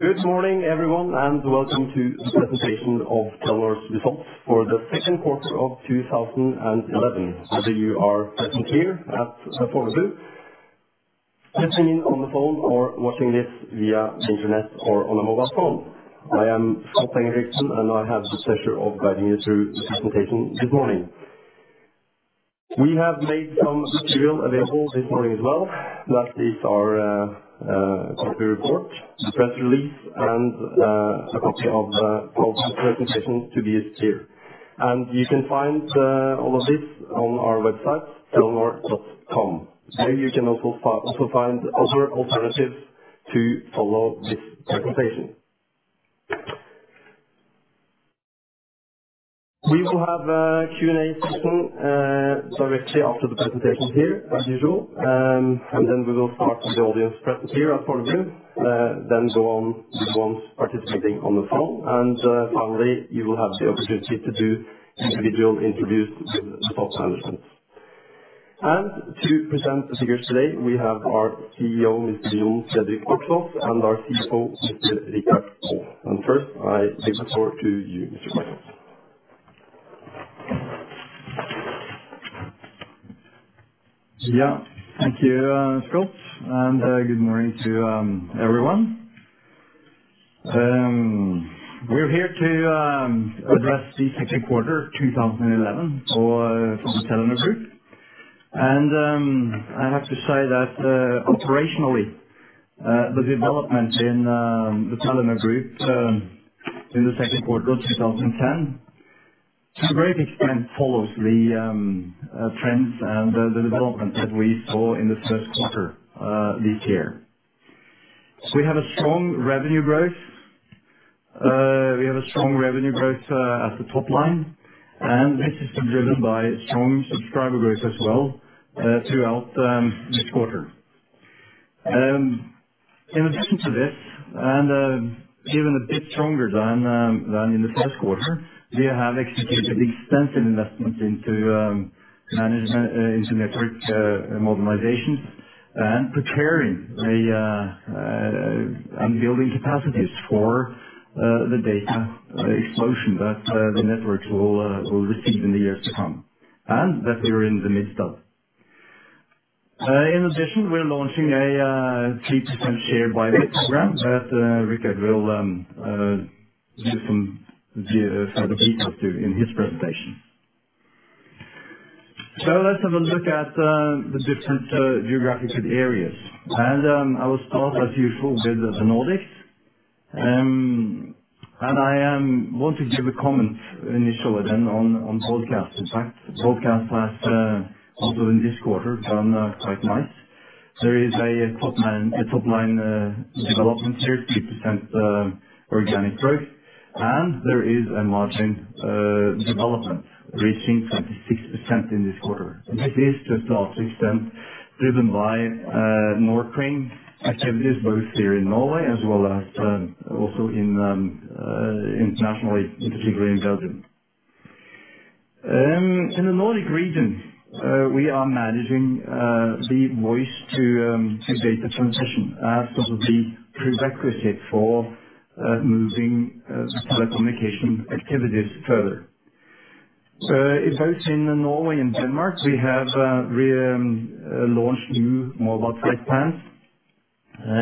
Good morning, everyone, and welcome to the presentation of Telenor's results for the second quarter of 2011. Whether you are present here at Fornebu, listening in on the phone or watching this via internet or on a mobile phone. I am Scott Engebrigtsen, and I have the pleasure of guiding you through the presentation this morning. We have made some material available this morning as well. That is our quarterly report, press release, and a copy of the presentation to be here. You can find all of this on our website, Telenor.com. There you can also find other alternatives to follow this presentation. We will have a Q&A session directly after the presentation here, as usual. Then we will start with the audience present here at Fornebu, then go on with the ones participating on the phone. Finally, you will have the opportunity to do individual interviews with Scott Engebrigtsen. To present the figures today, we have our CEO, Sigve Brekke, and our CFO, Richard. First, I give the floor to you, Mr. Fredrik. Yeah. Thank you, Scott, and good morning to everyone. We're here to address the second quarter of 2011 for Telenor Group. I have to say that operationally, the development in the Telenor Group in the second quarter of 2010, to a great extent, follows the trends and the development that we saw in the first quarter this year. We have a strong revenue growth. We have a strong revenue growth at the top line, and this is driven by strong subscriber growth as well throughout this quarter. In addition to this, and even a bit stronger than in the first quarter, we have executed extensive investments into management into network modernization and preparing and building capacities for the data explosion that the networks will receive in the years to come, and that we are in the midst of. In addition, we're launching a share buyback program that Richard will give some detail to in his presentation. So let's have a look at the different geographical areas. I will start, as usual, with the Nordics. I want to give a comment initially then on broadcast. In fact, broadcast has also in this quarter done quite nice. There is a top line, a top line, development here, 50% organic growth, and there is a margin development reaching 26% in this quarter. This is to a large extent driven by more clean activities, both here in Norway as well as also in internationally, particularly in Belgium. In the Nordic region, we are managing the voice to data transition as sort of the prerequisite for moving telecommunication activities further. Both in Norway and Denmark, we have relaunched new mobile site plans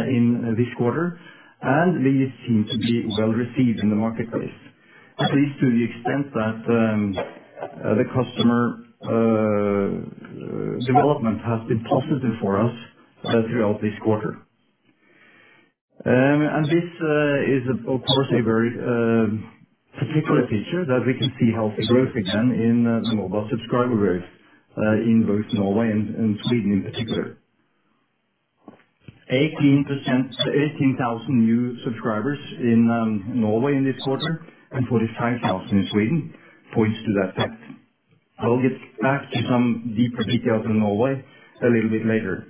in this quarter, and these seem to be well received in the marketplace. At least to the extent that the customer development has been positive for us throughout this quarter. This is of course a very particular feature that we can see how it grows again in the mobile subscriber growth in both Norway and Sweden in particular. 18,000 new subscribers in Norway in this quarter, and 45,000 in Sweden points to that fact. I'll get back to some deeper details in Norway a little bit later.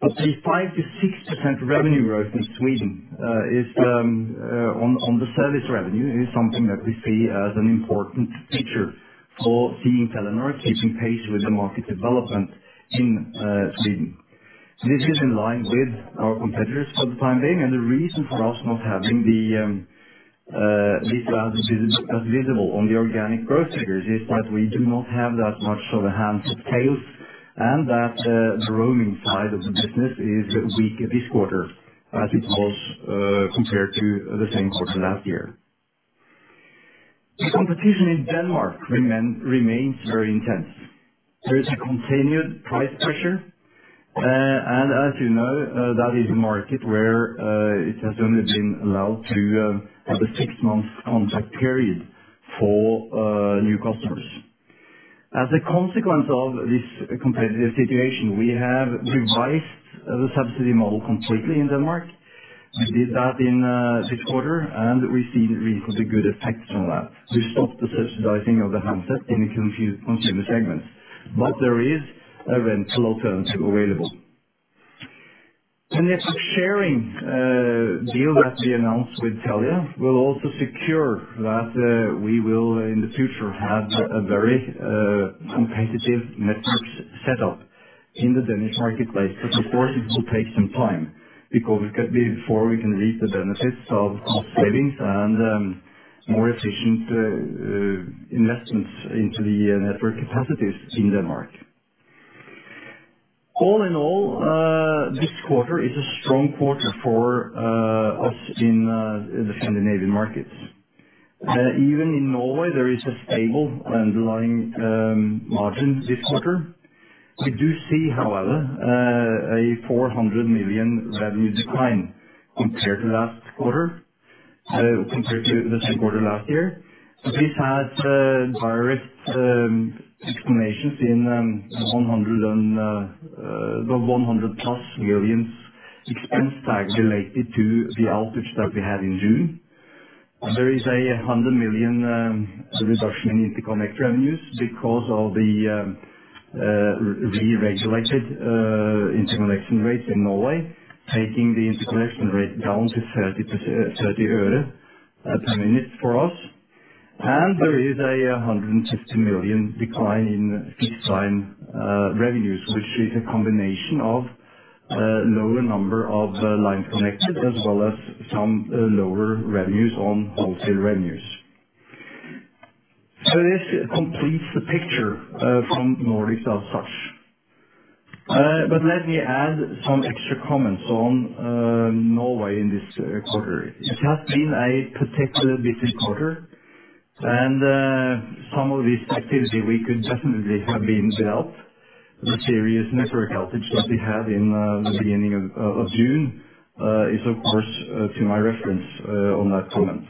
But the 5%-6% revenue growth in Sweden is on the service revenue, is something that we see as an important feature for seeing Telenor keeping pace with the market development in Sweden. This is in line with our competitors for the time being, and the reason for us not having the, this as visible on the organic growth figures is that we do not have that much of a handset sales, and that, the roaming side of the business is weak this quarter, as it was, compared to the same quarter last year. The competition in Denmark remains very intense. There is a continued price pressure, and as you know, that is a market where, it has only been allowed to, have a six-month contract period for, new customers. As a consequence of this competitive situation, we have revised the subsidy model completely in Denmark. We did that in, this quarter, and we've seen really good effects from that. We stopped the subsidizing of the handsets in the contract consumer segments, but there is a rental alternative available. The network sharing deal that we announced with Telia will also secure that we will, in the future, have a very competitive network setup in the Danish marketplace. But of course, it will take some time because before we can reap the benefits of savings and more efficient investments into the network capacities in Denmark. All in all, this quarter is a strong quarter for us in the Scandinavian markets. Even in Norway, there is a stable underlying margin this quarter. We do see, however, a 400 million revenue decline compared to last quarter, compared to the third quarter last year. This had direct explanations in the 100 and the 100+ million expense tag related to the outage that we had in June. There is a 100 million reduction in interconnect revenues because of the re-regulated interconnection rates in Norway, taking the interconnection rate down to 30 euro per minute for us. There is a 150 million decline in fixed line revenues, which is a combination of lower number of lines connected, as well as some lower revenues on wholesale revenues. This completes the picture from Nordics as such. But let me add some extra comments on Norway in this quarter. It has been a particularly busy quarter, and some of this activity we could definitely have been without. The serious network outage that we had in the beginning of June is, of course, to my reference on that comment.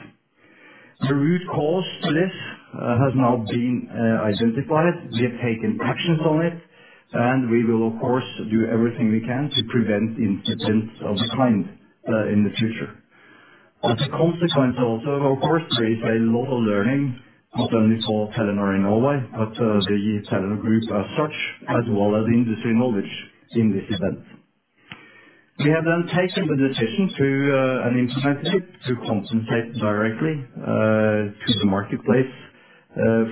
The root cause to this has now been identified. We have taken actions on it, and we will, of course, do everything we can to prevent incidents of the kind in the future. As a consequence, also, of course, there is a lot of learning, not only for Telenor in Norway, but the Telenor group as such, as well as industry knowledge in this event. We have then taken the decision to and implemented it, to compensate directly to the marketplace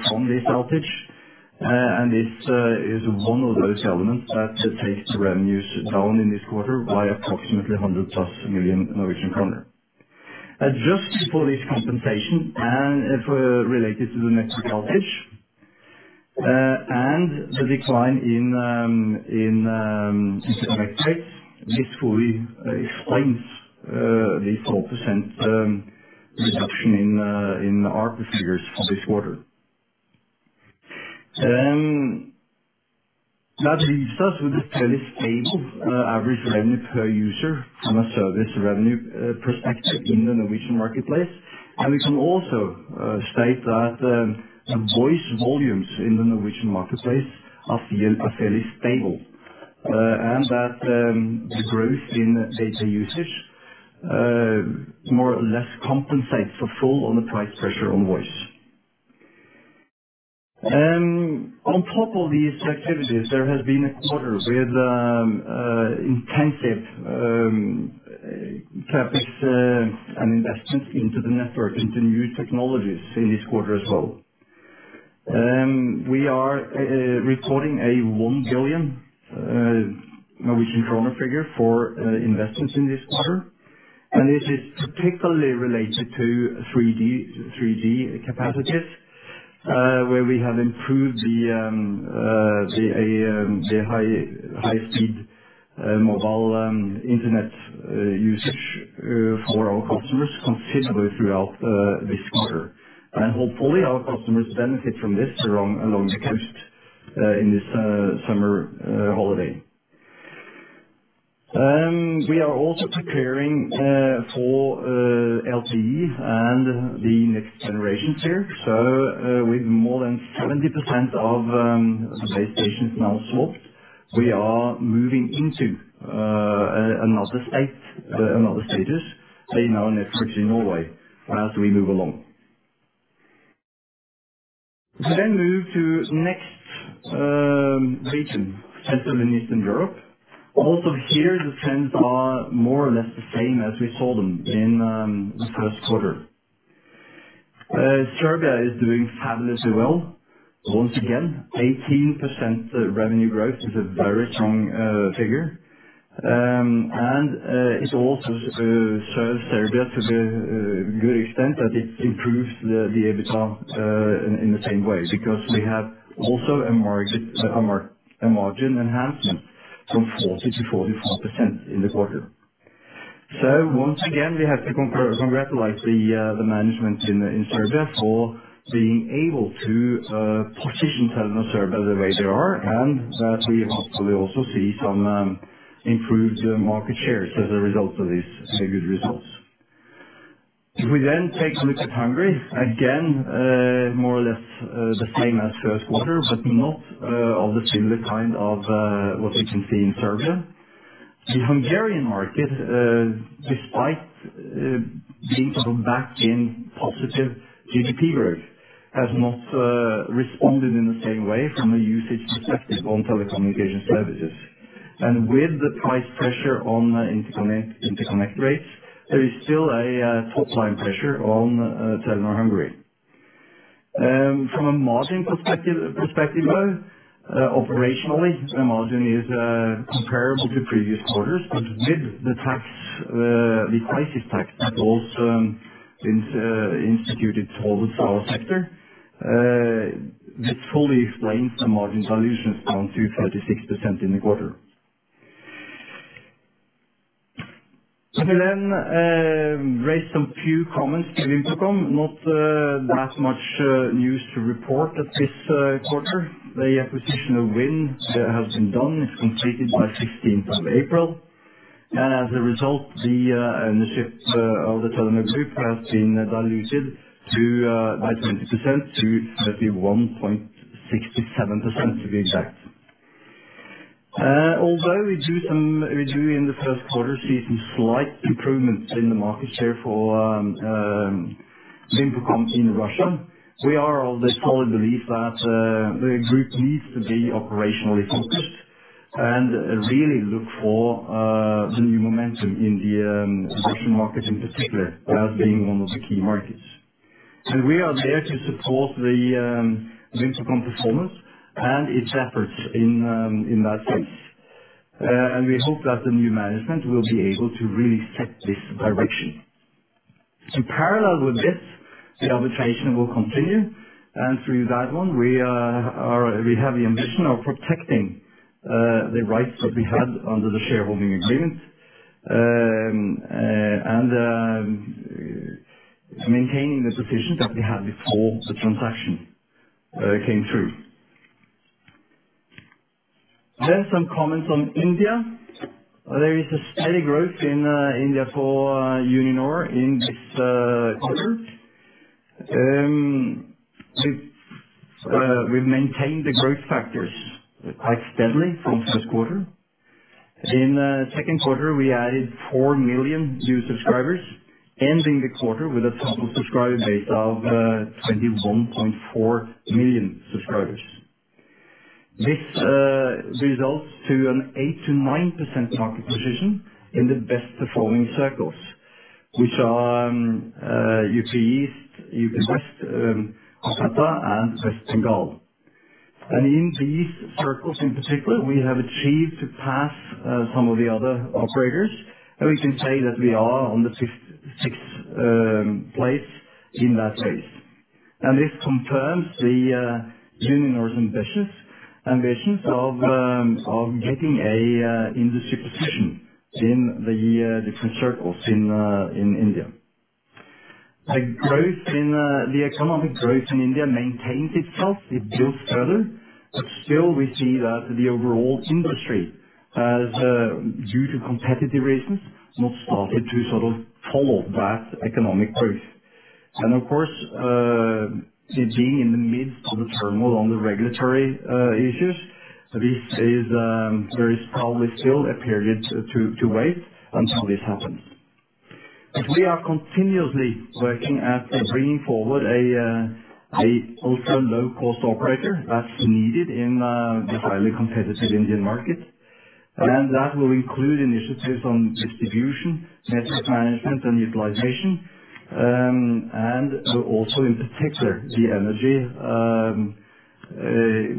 from this outage. And this is one of those elements that takes the revenues down in this quarter by approximately 100+ million Norwegian kroner. Adjusting for this compensation and for, related to the network outage, and the decline in interconnect rates, this fully explains the 12% reduction in ARPU figures for this quarter. That leaves us with a fairly stable average revenue per user from a service revenue perspective in the Norwegian marketplace. And we can also state that voice volumes in the Norwegian marketplace are fairly stable, and that the growth in data usage more or less compensates for the fall in the price pressure on voice. On top of these activities, there has been a quarter with intensive CapEx and investments into the network, into new technologies in this quarter as well. We are recording a 1 billion Norwegian kroner figure for investments in this quarter, and this is particularly related to 3G, 3G capacities, where we have improved the high speed mobile internet usage for our customers considerably throughout this quarter. And hopefully, our customers benefit from this along the coast in this summer holiday. We are also preparing for LTE and the next generation here. So, with more than 70% of the base stations now swapped, we are moving into another stage, another stages in our network in Norway as we move along. We then move to next region, Central and Eastern Europe. Also here, the trends are more or less the same as we saw them in the first quarter. Serbia is doing fabulously well. Once again, 18% revenue growth is a very strong figure. And it also serves Serbia to the good extent that it improves the EBITDA in the same way, because we have also a margin enhancement from 40%-44% in the quarter. So once again, we have to congratulate the management in Serbia for being able to position Telenor Serbia the way they are, and that we hopefully also see some improved market shares as a result of these good results. If we then take a look at Hungary, again, more or less, the same as first quarter, but not of the similar kind of what we can see in Serbia. The Hungarian market, despite being back in positive GDP growth, has not responded in the same way from a usage perspective on telecommunication services. And with the price pressure on interconnect, interconnect rates, there is still a top line pressure on Telenor Hungary. From a margin perspective though, operationally, the margin is comparable to previous quarters, but with the tax, the crisis tax that also been instituted towards our sector, which fully explains the margin dilution down to 36% in the quarter. Let me then raise some few comments to VimpelCom. Not that much news to report at this quarter. The acquisition of Wind has been done. It's completed by sixteenth of April, and as a result, the ownership of the Telenor Group has been diluted by 20% to 31.67%, to be exact. Although we do in the first quarter see some slight improvements in the market share for VimpelCom in Russia, we are of the solid belief that the group needs to be operationally focused and really look for the new momentum in the Russian market, in particular, as being one of the key markets. And we are there to support the VimpelCom performance and its efforts in that space. And we hope that the new management will be able to really set this direction. In parallel with this, the arbitration will continue, and through that one, we are we have the ambition of protecting the rights that we had under the shareholding agreement. And maintaining the position that we had before the transaction came through. Then some comments on India. There is a steady growth in India for Uninor in this quarter. We've maintained the growth factors quite steadily from first quarter. In second quarter, we added 4 million new subscribers, ending the quarter with a total subscriber base of 21.4 million subscribers. This results to an 8%-9% market position in the best performing circles, which are UP East, UP West, Assam, and West Bengal. In these circles in particular, we have achieved to pass some of the other operators, and we can say that we are on the sixth place in that space. This confirms Uninor's ambitions of getting a industry position in the different circles in India. The growth in the economic growth in India maintains itself. It builds further, but still we see that the overall industry, as due to competitive reasons, not started to sort of follow that economic growth. Of course, it being in the midst of the turmoil on the regulatory issues, this is there is probably still a period to wait until this happens. But we are continuously working at bringing forward a also low-cost operator that's needed in the highly competitive Indian market. That will include initiatives on distribution, network management, and utilization, and also, in particular, the energy,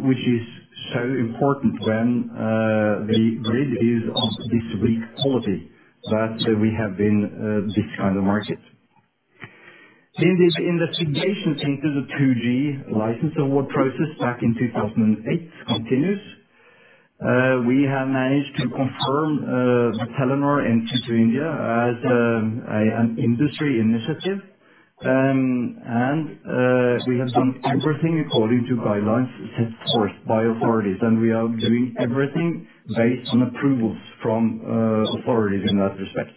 which is so important when the grid is of this weak quality that we have in this kind of market. Then the investigation into the 2G license award process back in 2008 continues. We have managed to confirm the Telenor entry to India as an industry initiative. And we have done everything according to guidelines set forth by authorities, and we are doing everything based on approvals from authorities in that respect.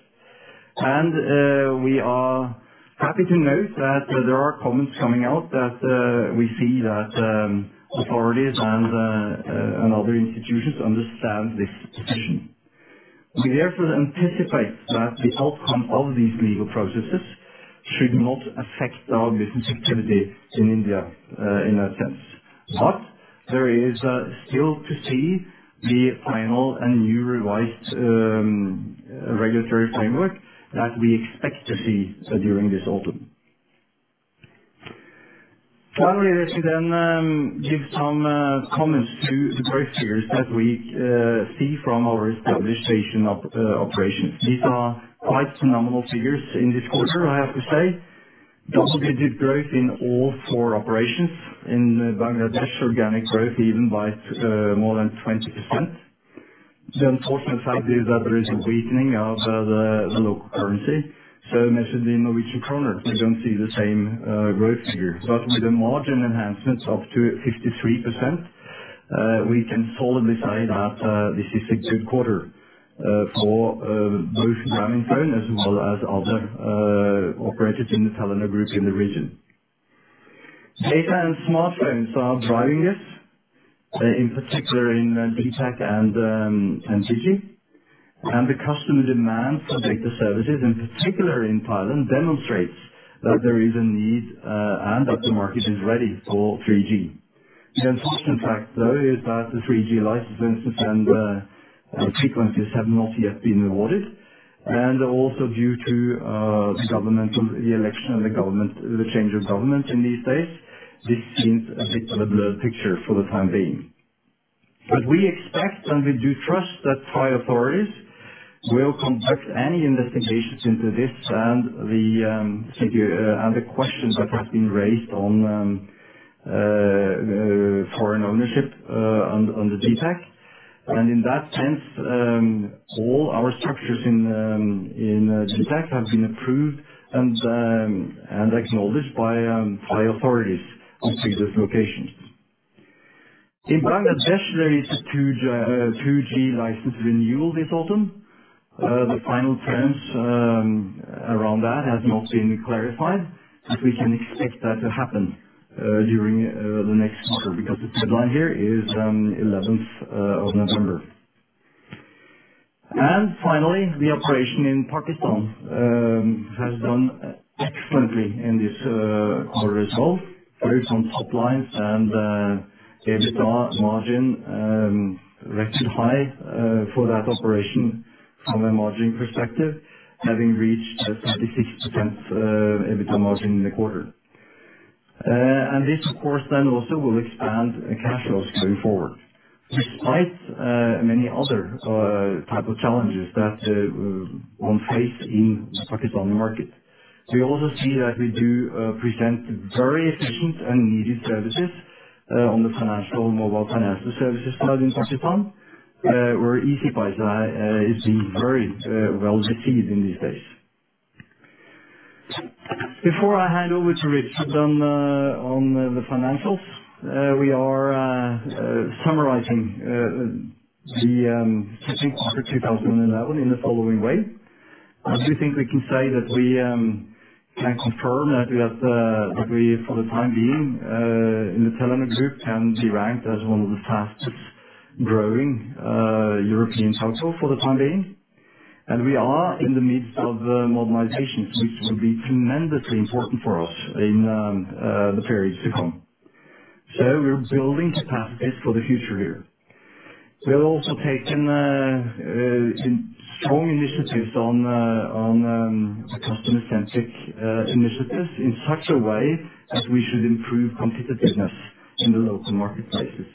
And we are happy to note that there are comments coming out that we see that authorities and other institutions understand this position. We therefore anticipate that the outcome of these legal processes should not affect our business activity in India, in that sense. But there is still to see the final and new revised regulatory framework that we expect to see during this autumn. Finally, let me then give some comments to the growth figures that we see from our established Asian operations. These are quite phenomenal figures in this quarter, I have to say. Double-digit growth in all four operations. In Bangladesh, organic growth even by more than 20%. The unfortunate side is that there is a weakening of the local currency, so measured in Norwegian kroner, we don't see the same growth figure. But with a margin enhancement of up to 53%, we can solidly say that this is a good quarter for both Grameenphone, as well as other operators in the Telenor group in the region. Data and are driving this, in particular in dtac and Digi. will conduct any investigations into this and the secure, and the questions that have been raised on, foreign ownership, on, on the dtac. And in that sense, all our structures in, in, dtac have been approved and, and acknowledged by, Thai authorities in previous locations. In Bangladesh, there is a 2G license renewal this autumn. The final terms around that has not been clarified, but we can expect that to happen during the next quarter, because the deadline here is 11th of November. And finally, the operation in Pakistan has done excellently in this quarter results. There is some top lines and EBITDA margin, record high, for that operation from a margin perspective, having reached a 76% EBITDA margin in the quarter. And this, of course, then also will expand cash flows going forward, despite many other type of challenges that one face in Pakistani market. We also see that we do present very efficient and needed services on the financial, mobile financial services side in Pakistan, where easypaisa is being very well received in these days. Before I hand over to Rick, then, on the financials, we are summarizing the second quarter 2011 in the following way. I do think we can say that we can confirm that we have that we for the time being in the Telenor Group can be ranked as one of the fastest growing European telcos for the time being. We are in the midst of modernization, which will be tremendously important for us in the periods to come. So we're building capacities for the future here. We have also taken strong initiatives on customer-centric initiatives in such a way that we should improve competitiveness in the local marketplaces.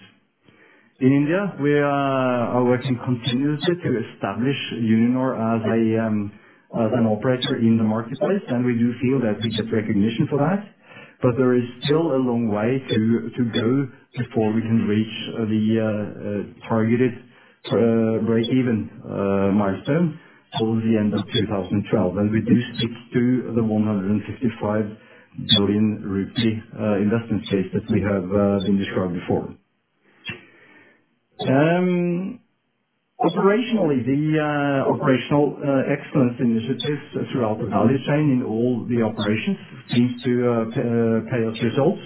In India, we are working continuously to establish Uninor as an operator in the marketplace, and we do feel that we get recognition for that. But there is still a long way to go before we can reach the targeted breakeven milestone towards the end of 2012. And we do stick to the 155 billion rupee investment case that we have been described before. Operationally, the operational excellence initiatives throughout the value chain in all the operations seem to pay us results.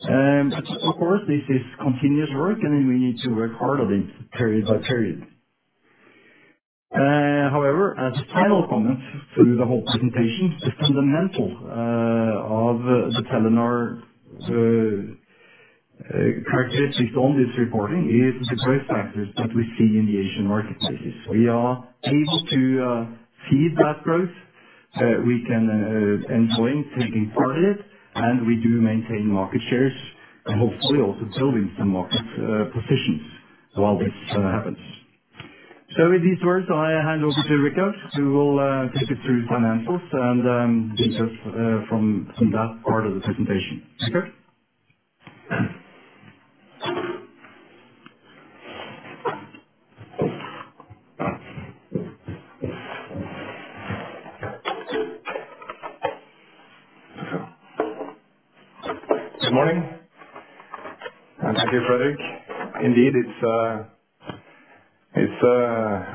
Of course, this is continuous work, and we need to work harder this period by period. However, as a final comment through the whole presentation, the fundamental of the Telenor characteristics on this reporting is the growth factors that we see in the Asian marketplaces. We are able to feed that growth, we can employ taking part in it, and we do maintain market shares and hopefully also building some market positions while this happens. So with these words, I hand over to Richard, who will take you through financials and details from that part of the presentation. Richard? Good morning, and thank you, Fredrik. Indeed, it's an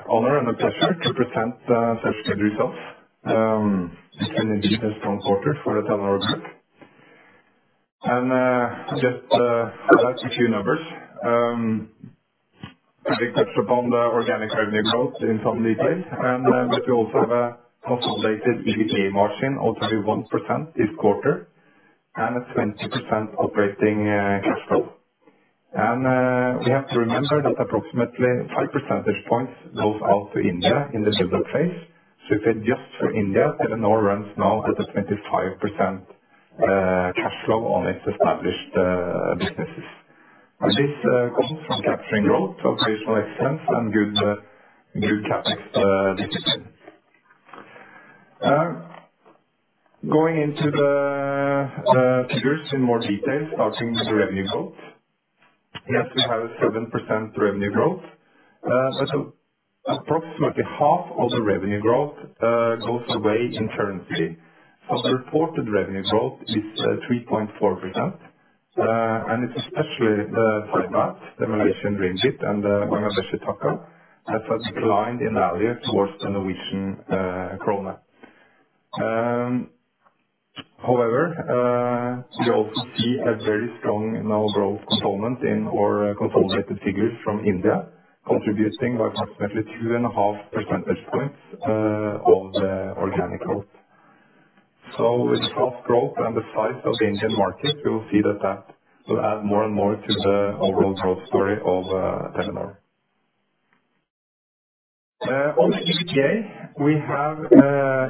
honor and a pleasure to present such good results. It's been a business strong quarter for the Telenor Group. And just a few numbers. We touch upon the organic revenue growth in some detail, and then we also have a consolidated EBITDA margin of 31% this quarter, and a 20% operating cash flow. And we have to remember that approximately 5 percentage points goes out to India in the build-up phase. So if it's just for India, Telenor runs now at a 25% cash flow on its established businesses. And this comes from capturing growth, operational excellence, and good CapEx discipline. Going into the figures in more detail, starting with the revenue growth. Yes, we have a 7% revenue growth. So approximately half of the revenue growth goes away in currency. The reported revenue growth is 3.4%. And it's especially the five markets, the Malaysian, MYR, and Bangladesh Taka, has a decline in value towards the Norwegian krone. However, we also see a very strong new growth component in our consolidated figures from India, contributing by approximately 2.5 percentage points of the organic growth. With the strong growth and the size of the Indian market, you will see that, that will add more and more to the overall growth story of Telenor. On the EBITDA, we have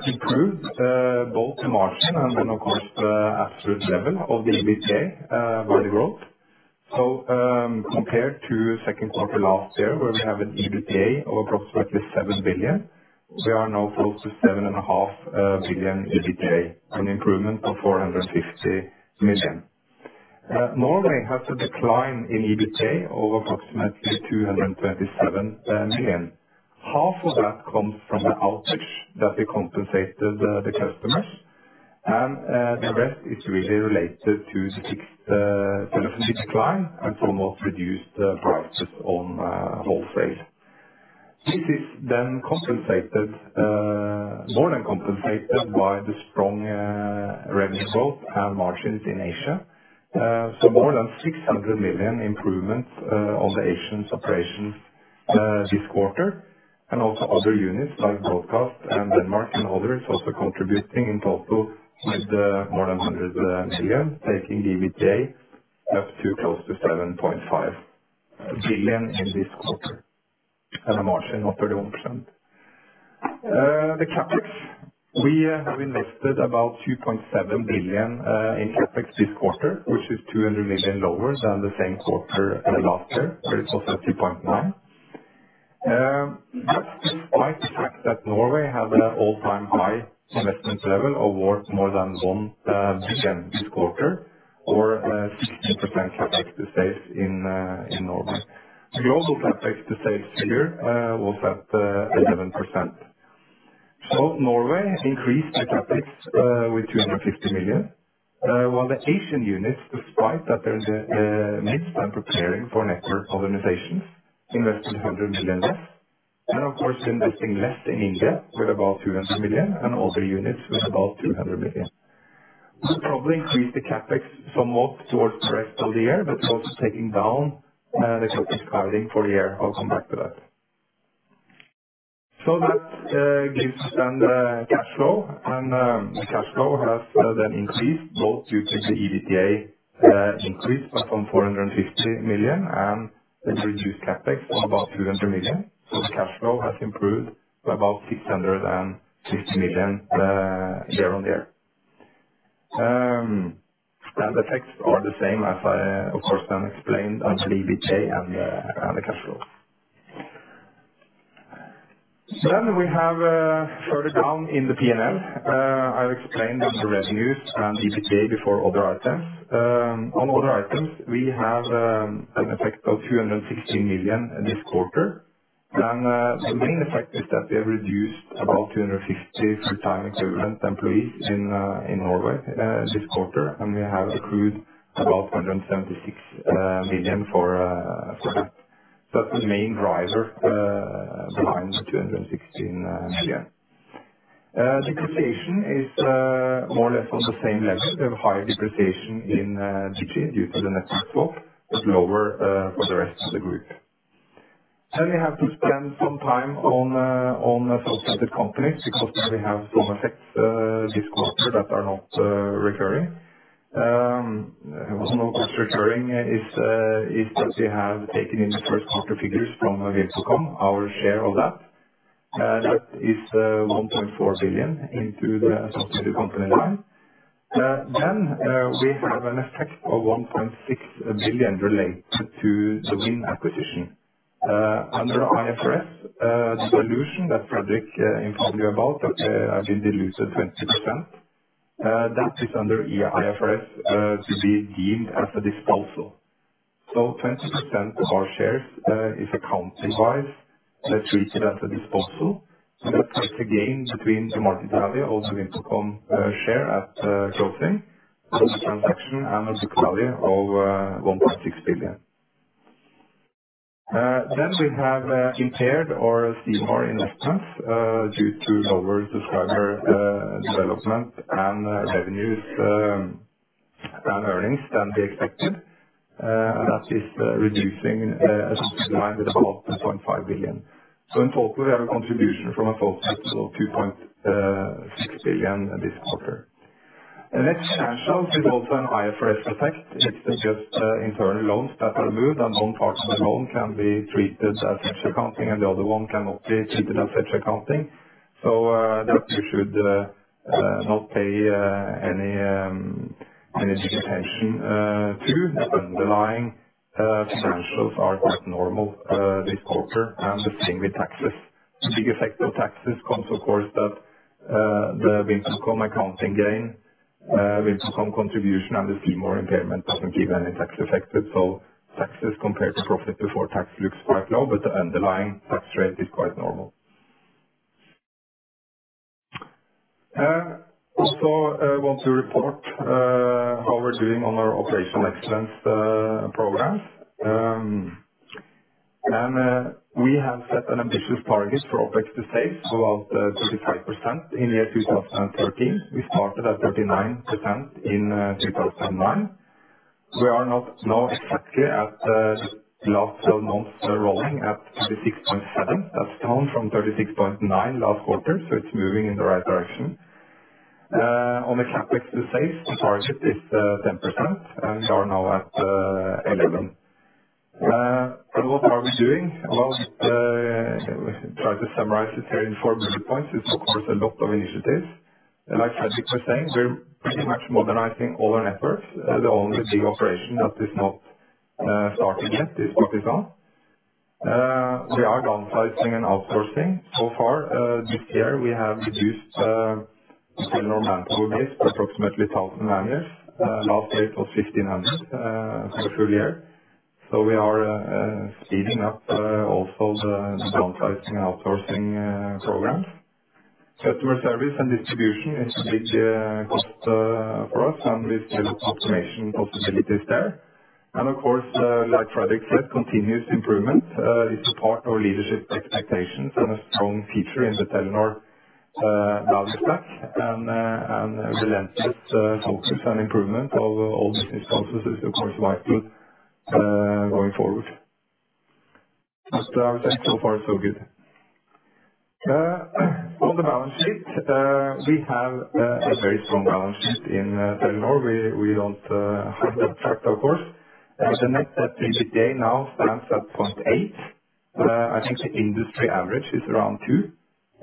improved both the margin and then, of course, the absolute level of the EBITDA value growth. Compared to second quarter last year, where we have an EBITDA of approximately 7 billion, we are now close to 7.5 billion EBITDA, an improvement of 450 million. Norway has a decline in EBITDA of approximately 227 million. Half of that comes from the outage, that we compensated the, the customers and, the rest is really related to the fixed, development decline and somewhat reduced prices on, wholesale. This is then compensated, more than compensated by the strong, revenue growth and margins in Asia. So more than 600 million improvement on the Asian operations this quarter, and also other units like Broadcast and Denmark and others, also contributing in total with more than 100 million, taking the EBITDA up to close to 7.5 billion in this quarter, and a margin of 31%. The CapEx. We have invested about 2.7 billion in CapEx this quarter, which is 200 million lower than the same quarter last year, where it was at 2.9 billion. Despite the fact that Norway have an all-time high investment level of worth more than 1 billion this quarter or 16% CapEx to sales in Norway. Global CapEx to sales here was at 11%. So Norway increased the CapEx with 250 million, while the Asian units, despite that they're in the midst and preparing for network organizations, invested 100 million less. Of course, investing less in India with about 200 million and other units with about 200 million. We'll probably increase the CapEx somewhat towards the rest of the year, but also taking down the total spending for the year. I'll come back to that. So that gives then the cash flow, and the cash flow has then increased, both due to the EBITDA increase by from 450 million, and the reduced CapEx of about 200 million. So the cash flow has improved to about 650 million year-on-year. And the effects are the same as I, of course, then explained on the EBITDA and the cash flow. Then we have further down in the P&L. I'll explain the revenues and EBITDA before other items. On other items, we have an effect of 216 million this quarter. And the main effect is that we have reduced about 250 full-time equivalent employees in Norway this quarter, and we have accrued about 176 million for that. That's the main driver behind the 216 million. Depreciation is more or less on the same level. We have high depreciation in Digi, due to the network swap, but lower for the rest of the group. Then we have to spend some time on associated companies, because we have some effects this quarter that are not recurring. Also not recurring is that we have taken in the first quarter figures from VimpelCom, our share of that. That is 1.4 billion into the associated company line. Then we have an effect of 1.6 billion related to the Wind acquisition. Under IFRS, the solution that Fredrik informed you about, I will dilute it 20%. That is under IFRS to be deemed as a disposal. So 20% of our shares is accounting-wise treated as a disposal. So that's a gain between the market value, also VimpelCom share at closing the transaction, and the book value of 1.6 billion. Then we have impaired our C More investments, due to lower subscriber development and revenues, and earnings than we expected. That is reducing as line with about 2.5 billion. So in total, we have a contribution from a total of 2.6 billion this quarter. The next snapshot is also an IFRS effect. It's just internal loans that are moved, and one part of the loan can be treated as such accounting, and the other one cannot be treated as such accounting. So that you should not pay any attention to. The underlying financials are quite normal this quarter, and the same with taxes. The big effect of taxes comes, of course, that the VimpelCom accounting gain, VimpelCom contribution and the C More impairment doesn't give any tax effect. So taxes compared to profit before tax looks quite low, but the underlying tax rate is quite normal. Also, I want to report how we're doing on our operational excellence programs. We have set an ambitious target for OpEx to save about 35% in the year 2013. We started at 39% in 2009. We are not exactly at the last 12 months rolling at 36.7. That's down from 36.9 last quarter, so it's moving in the right direction. On the CapEx to sales, the target is 10%, and we are now at 11. So what are we doing? Well, try to summarize it here in 4 bullet points. It's, of course, a lot of initiatives, and like Fredrik was saying, we're pretty much modernizing all our efforts. The only big operation that is not started yet is Pakistan. We are downsizing and outsourcing. So far this year, we have reduced Telenor manpower base, approximately 1,000 managers. Last year, it was 50 managers for full year. So we are speeding up also the downsizing, outsourcing programs. Customer service and distribution is a big cost for us, and we see automation possibilities there. And of course, like Fredrik said, continuous improvement is a part of our leadership expectations and a strong feature in the Telenor value stack. And relentless focus and improvement of all business processes is, of course, vital going forward. But I would say, so far, so good. On the balance sheet, we have a very strong balance sheet in Telenor. We don't have that track, of course, but the net debt to EBITDA now stands at 0.8. I think the industry average is around 2.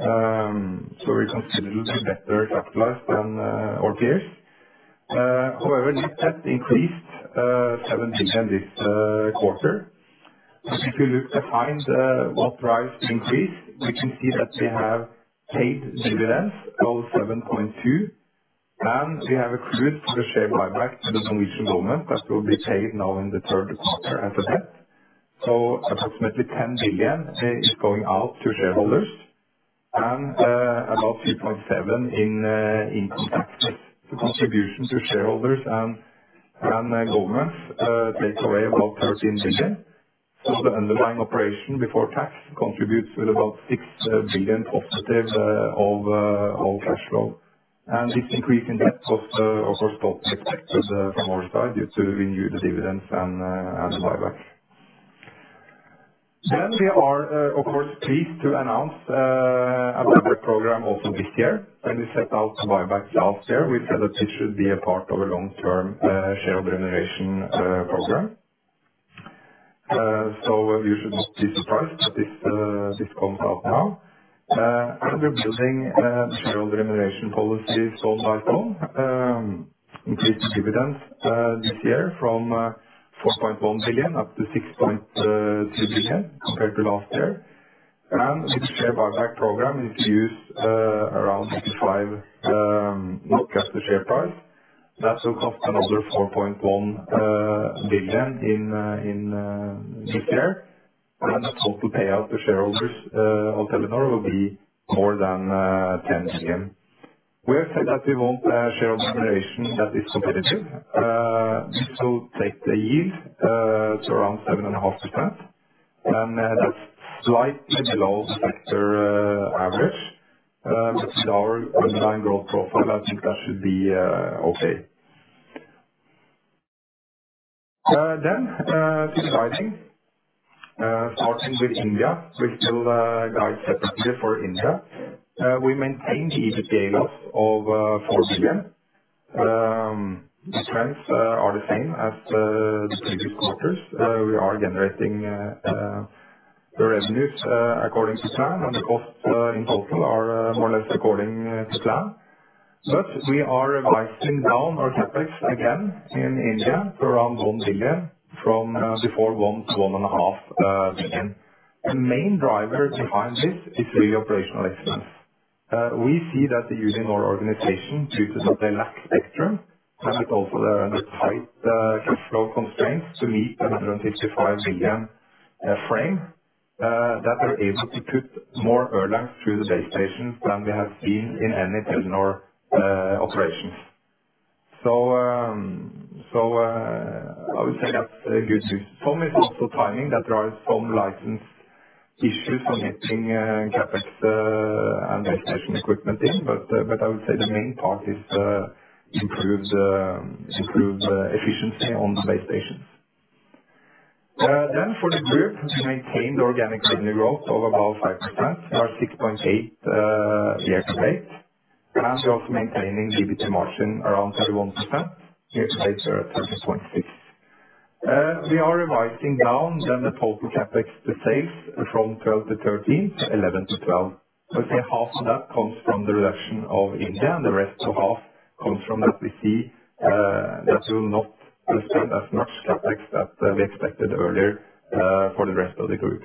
So we're considerably better capitalized than our peers. However, net debt increased 17 billion this quarter. So if you look behind what drives the increase, we can see that we have paid dividends of 7.2 billion, and we have accrued for the share buyback to the Norwegian government that will be paid now in the third quarter as a debt. So approximately 10 billion is going out to shareholders, and about 3.7 billion in income taxes. The contribution to shareholders and government takes away about 13 billion. So the underlying operation before tax contributes with about 6 billion positive of cash flow. And this increase in debt was, of course, both expected from our side, due to the dividends and the buyback. Then we are, of course, pleased to announce a buyback program also this year. When we set out to buyback last year, we said that it should be a part of a long-term shareholder remuneration program. So you should not be surprised that this comes out now. And we're building a shareholder remuneration policy so far from increased dividends this year from 4.1 billion-6.2 billion, compared to last year. And the share buyback program is used around 65 to look after share price. That will cost another 4.1 billion in this year, and that total payout to shareholders of Telenor will be more than 10 billion. We have said that we want a shareholder remuneration that is competitive. This will take the yield to around 7.5%, and that's slightly below sector average. But with our underlying growth profile, I think that should be okay. Then to guiding. Starting with India, we still guide separately for India. We maintain the EBITDA of 4 billion. The trends are the same as the previous quarters. We are generating the revenues according to plan, and the cost in total are more or less according to plan. But we are revising down our CapEx again in India to around 1 billion, from before 1-1.5 billion. The main driver behind this is really operational excellence. We see that the Telenor organization, due to some lack of spectrum, and also the tight cash flow constraints to meet the 155 billion frame, that are able to put more throughput through the base stations than we have seen in any Telenor operations. So, so I would say that's a good news. Some is also timing, that there are some license issues for getting CapEx and base station equipment in, but, but I would say the main part is improved efficiency on the base stations. Then for the group, we maintain the organic revenue growth of about 5%, or 6.8, year to date, and we're also maintaining EBITDA margin around 31%, year to date we're at 30.6%. We are revising down then the total CapEx to sales from 12-13 to 11-12. I'd say half of that comes from the reduction of India, and the rest of half comes from that we see that will not receive as much CapEx that we expected earlier for the rest of the group.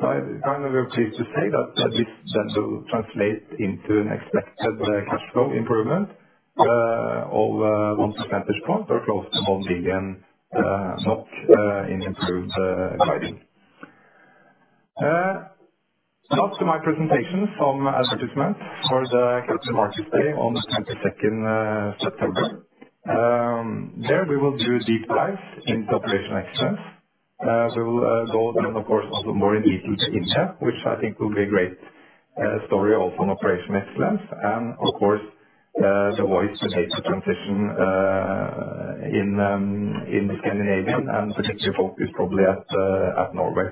So I'm happy to say that this then will translate into an expected cash flow improvement of 1 percentage point or close to 1 billion in improved guiding. After my presentation, some advertisement for the Capital Markets Day on the 22nd September. We will do a deep dive into operational excellence.... So, go then, of course, a little more in detail to India, which I think will be a great story also on operation excellence. Of course, the way to make the transition in Scandinavia and particular focus probably at Norway.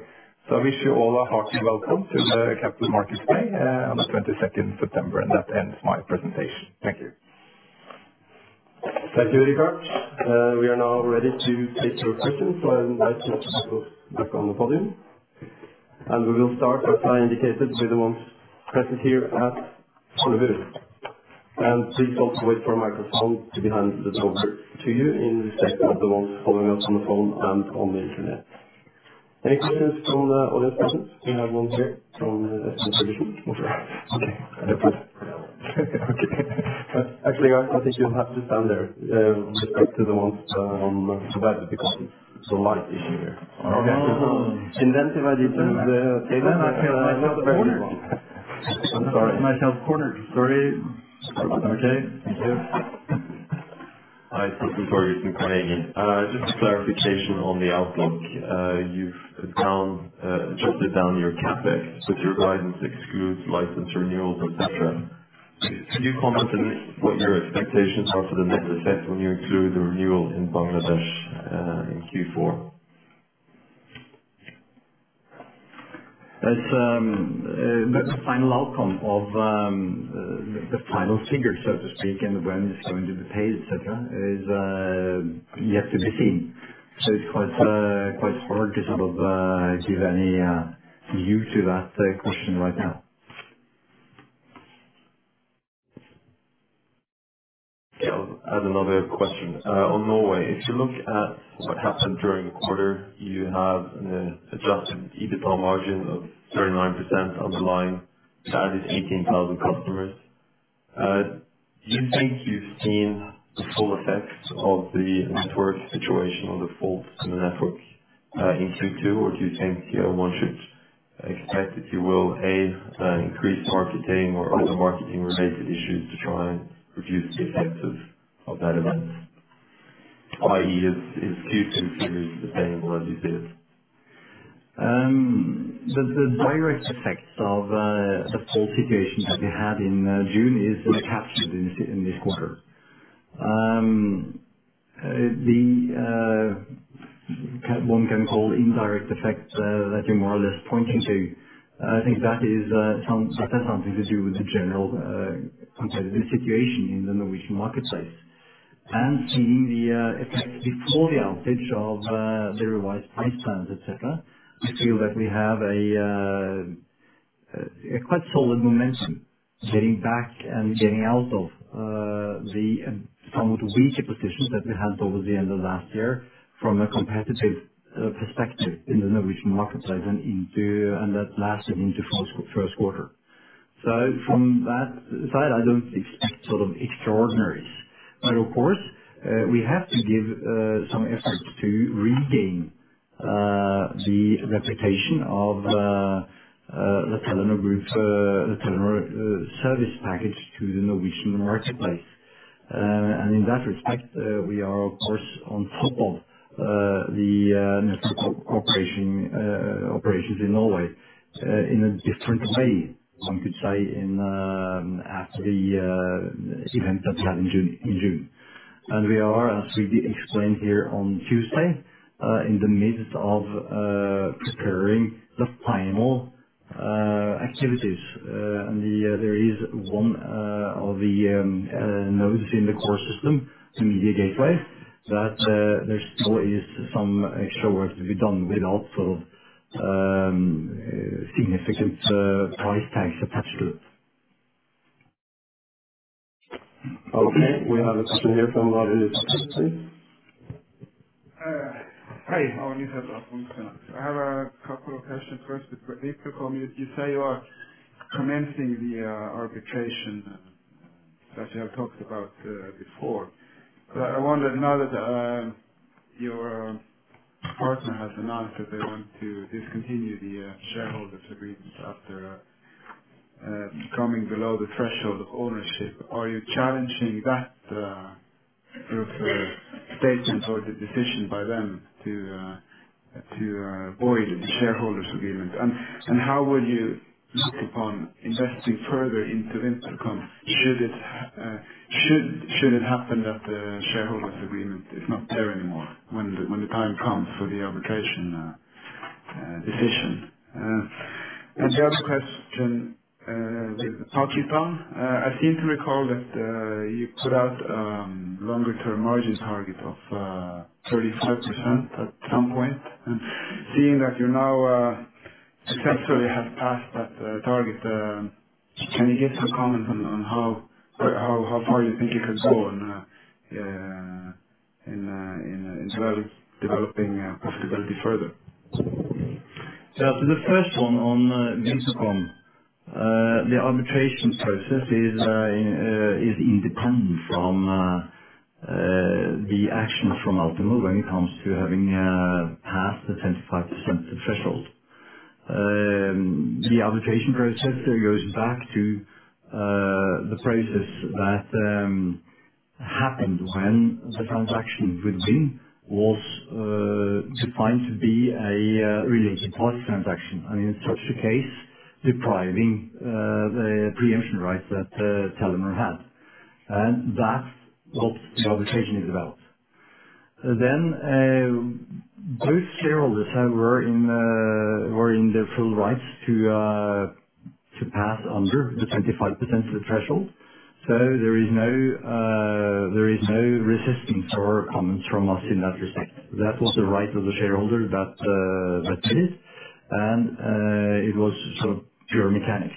I wish you all a hearty welcome to the Capital Markets Day on the twenty-second September, and that ends my presentation. Thank you. Thank you, Richard. We are now ready to take your questions, so I invite you to back on the podium. We will start, as I indicated, with the ones present here at Sollefteå. Please also wait for a microphone to be handed over to you in the second of the ones following us on the phone and on the internet. Any questions from the audience present? Do you have one here from the? [inaudible] Okay. Actually, I think you'll have to stand there, just talk to the ones, so that because there's a light issue here. Okay. In then to. I myself cornered. Sorry. Okay. Thank you. Hi, just a clarification on the outlook. You've down adjusted down your CapEx, but your guidance excludes license renewals, et cetera. Can you comment on what your expectations are for the next effect when you include the renewal in Bangladesh, in Q4? That's the final outcome of the final figure, so to speak, and when it's going to be paid, et cetera, is yet to be seen. So it's quite quite hard to sort of give any view to that question right now. Yeah. I have another question. On Norway, if you look at what happened during the quarter, you have an adjusted EBITDA margin of 39% underlying, added 18,000 customers. Do you think you've seen the full effect of the network situation or the fault in the network in Q2, or do you think one should expect, if you will, increased marketing or other marketing-related issues to try and reduce the effects of that event? I.e., is Q3 sustainable, as you said? The direct effects of the fault situation that we had in June is captured in this quarter. The one can call indirect effects that you more or less pointing to. I think that is some that has something to do with the general competitive situation in the Norwegian marketplace. And seeing the effect before the outage of very wide price plans, et cetera. I feel that we have a quite solid momentum getting back and getting out of the somewhat weaker position that we had over the end of last year from a competitive perspective in the Norwegian marketplace and into, and that lasted into first quarter. So from that side, I don't expect sort of extraordinaries. But of course, we have to give some effort to regain the reputation of the Telenor Group, the Telenor service package to the Norwegian marketplace. And in that respect, we are of course on top of the network operation operations in Norway in a different way, one could say, after the event that we had in June, in June. And we are, as we explained here on Tuesday, in the midst of preparing the final activities. And there is one of the nodes in the core system, the media gateway, that there still is some extra work to be done with also significant price tags attached to it. Okay, we have a question here from. [inaudible] Hi, how are you? I have a couple of questions. First, for Uninor, you say you are commencing the arbitration that you have talked about before. But I wanted to know that your partner has announced that they want to discontinue the shareholders' agreement after coming below the threshold of ownership. Are you challenging that group's statements or the decision by them to void the shareholders' agreement? And how would you look upon investing further into Uninor? Should it happen that the shareholders' agreement is not there anymore, when the time comes for the arbitration decision? And the other question, with Pakistan, I seem to recall that you put out long-term margin target of 35% at some point. Seeing that you now successfully have passed that target, can you give some comment on how far you think you can go in terms of developing profitability further? So for the first one on VimpelCom, the arbitration process is independent from the action from Altimo when it comes to having passed the 10% threshold. The arbitration process, it goes back to the process that happened when the transaction with Wind was defined to be a related party transaction. And in such a case, depriving the pre-emption right that Telenor had. And that's what the arbitration is about. Then, those shareholders, however, were in their full rights to pass under the 25% threshold. So there is no resistance or comments from us in that respect. That was the right of the shareholder that did it. And it was sort of pure mechanics.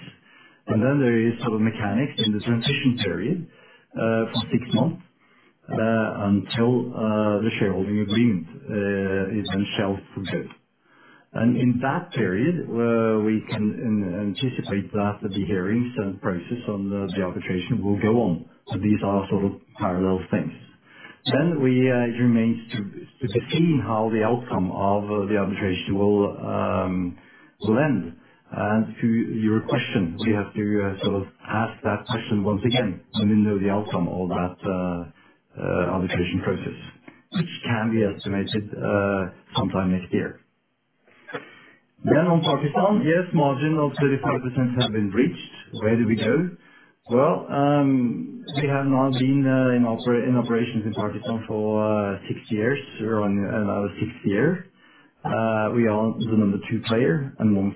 And then there is sort of mechanics in the transition period, for 6 months, until the shareholding agreement is on shelf for good. And in that period, we can anticipate that the hearings and process on the arbitration will go on. So these are sort of parallel things. Then it remains to see how the outcome of the arbitration will end. And to your question, we have to sort of ask that question once again, and we know the outcome of that arbitration process, which can be estimated sometime next year. Then on Pakistan, yes, margin of 35% have been reached. Where do we go? Well, we have now been in operations in Pakistan for 6 years. We're on another sixth year. We are the number 2 player, and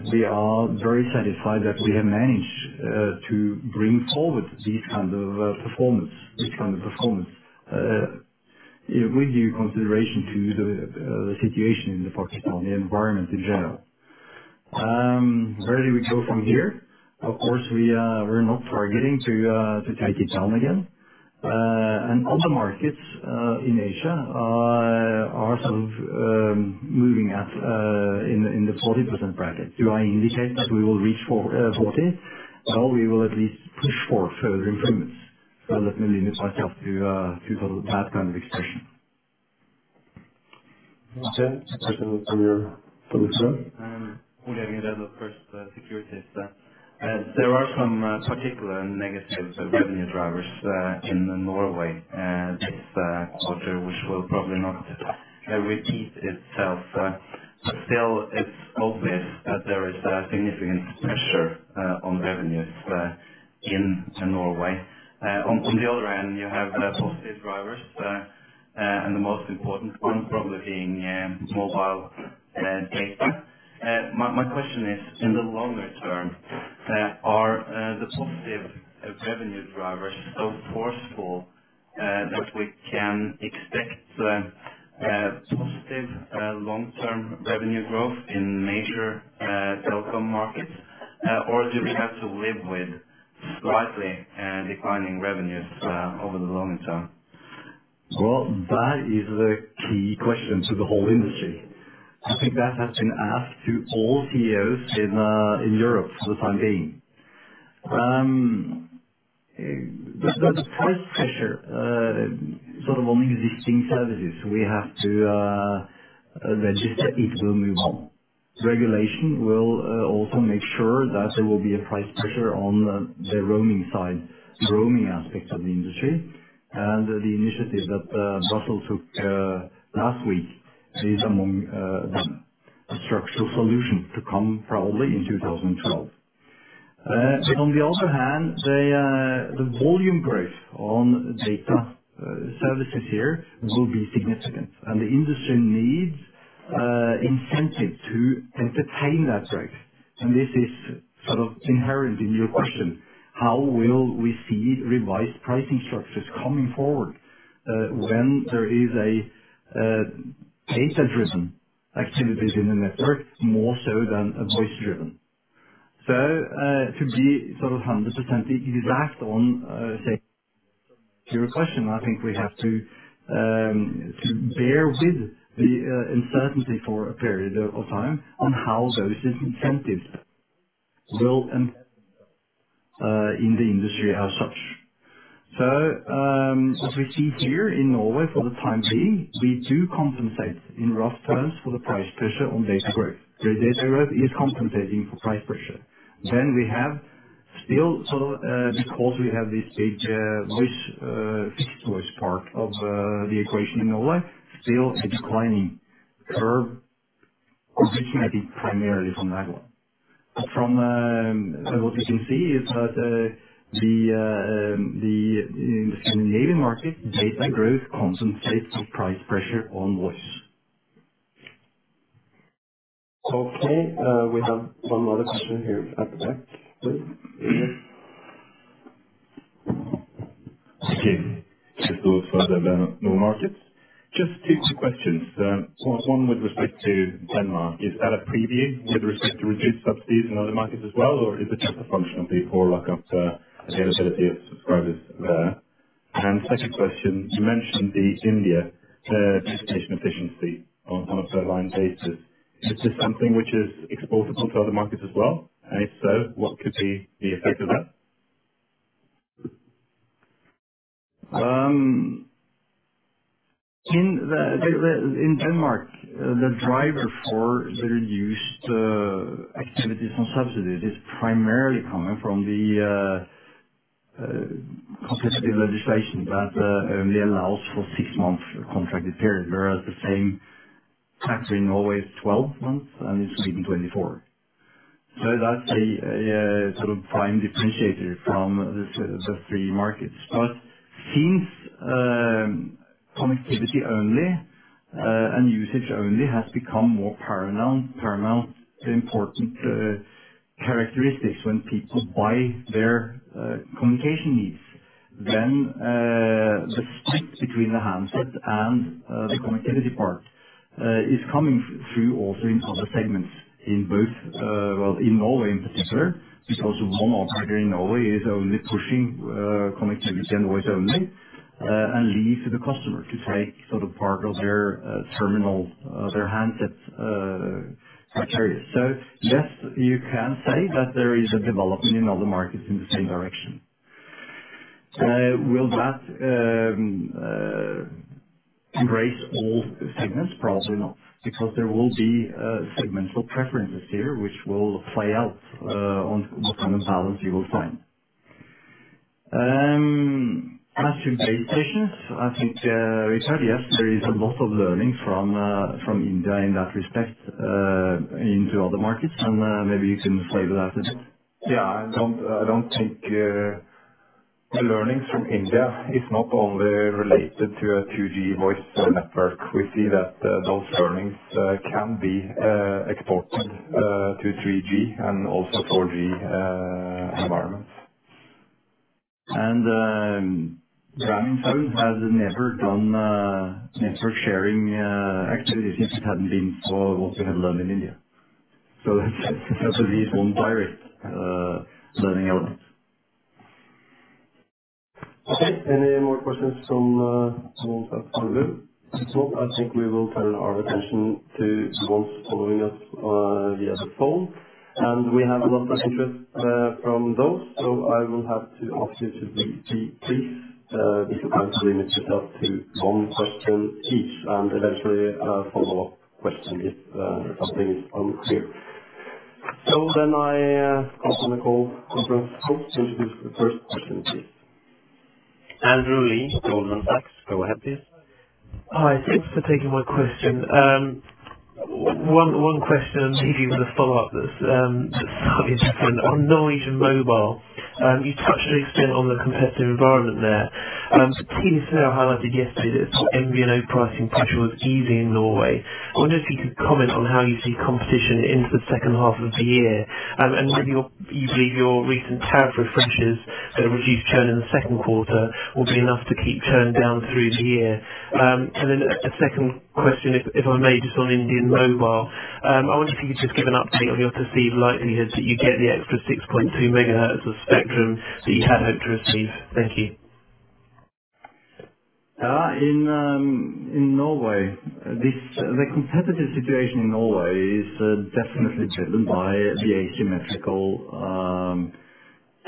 15. We are very satisfied that we have managed to bring forward this kind of performance, this kind of performance. With due consideration to the situation in Pakistan, the environment in general. Where do we go from here? Of course, we're not targeting to take it down again. And other markets in Asia are sort of moving at in the 40% bracket. Do I indicate that we will reach for 40? No, we will at least push for further improvements. So that may lead Pakistan to sort of that kind of expansion. Okay. Let's take another here from sir. Well, first, securities there. There are some particular negative revenue drivers in Norway, and this quarter, which will probably not repeat itself. But still, it's obvious that there is a significant pressure on revenues in Norway. On the other hand, you have positive drivers, and the most important one probably being mobile data. My question is, in the longer term, are the positive revenue drivers so forceful that we can expect positive long-term revenue growth in major telecom markets? Or do we have to live with slightly declining revenues over the longer term? Well, that is the key question to the whole industry. I think that has been asked to all CEOs in Europe for the time being. There's price pressure, sort of on existing services. We have to register it will move on. Regulation will also make sure that there will be a price pressure on the roaming side, the roaming aspect of the industry. And the initiative that Brussels took last week is among the structural solutions to come, probably in 2012. But on the other hand, the volume growth on data services here will be significant, and the industry needs incentive to entertain that growth. And this is sort of inherent in your question: How will we see revised pricing structures coming forward, when there is a data-driven activities in the network, more so than a voice-driven? So, to be sort of 100% exact on, say, your question, I think we have to to bear with the uncertainty for a period of time on how those incentives will end, in the industry as such. So, what we see here in Norway for the time being, we do compensate in rough terms for the price pressure on data growth. So data growth is compensating for price pressure. Then we have still sort of, because we have this big voice fixed voice part of the equation in Norway, still a declining curve, which might be primarily from that one. But from what you can see is that in the Scandinavian market, data growth compensates the price pressure on voice. Okay, we have one more question here at the back. Please. Thank you. So further than the markets. Just two questions. One with respect to Denmark. Is that a preview with respect to reduced subsidies in other markets as well, or is it just a function of the poor lockup, availability of subscribers there? And second question, you mentioned the India, efficient efficiency on a per line basis. Is this something which is exportable to other markets as well? And if so, what could be the effect of that?... In Denmark, the driver for the reduced activities on subsidies is primarily coming from the competitive legislation that only allows for 6 months contracted period, whereas the same tax in Norway is 12 months, and it's even 24. So that's sort of a prime differentiator from the 3 markets. But since connectivity only and usage only has become more paramount to important characteristics when people buy their communication needs, then the split between the handset and the connectivity part is coming through also in other segments, in both, well, in Norway in particular, because one operator in Norway is only pushing connectivity and voice only and leave to the customer to take sort of part of their terminal, their handsets criteria. So yes, you can say that there is a development in other markets in the same direction. Will that embrace all segments? Probably not, because there will be segmental preferences here, which will play out on what kind of balance you will find. As to CapEx, I think, Richard, yes, there is a lot of learning from India in that respect into other markets, and maybe you can elaborate that a bit. Yeah, I don't, I don't think the learnings from India is not only related to a 2G voice network. We see that those learnings can be exported to 3G and also 4G environments. And TeliaSonera has never done network sharing activities if it hadn't been for what we have learned in India. So that's a very learning element. Okay. Any more questions from Oslo? If not, I think we will turn our attention to the ones following us via the phone. And we have a lot of interest from those, so I will have to ask you to be brief if you can limit yourself to one question each, and eventually a follow-up question if something is unclear. So then I pass on the call to the first question, please. Andrew Lee, Goldman Sachs. Go ahead, please. Hi, thanks for taking my question. One question, maybe with a follow-up that's slightly different. On Norwegian Mobile, you touched a bit on the competitive environment there. Tele2 highlighted yesterday that MVNO pricing pressure was easing in Norway. I wonder if you could comment on how you see competition into the second half of the year. And whether you believe your recent tariff refreshes that reduced churn in the second quarter will be enough to keep churn down through the year? And then a second question, if I may, just on Indian mobile. I wonder if you could just give an update on your perceived likelihood that you get the extra 6.2 MHz of spectrum that you had hoped to receive. Thank you. In Norway, the competitive situation in Norway is definitely driven by the asymmetrical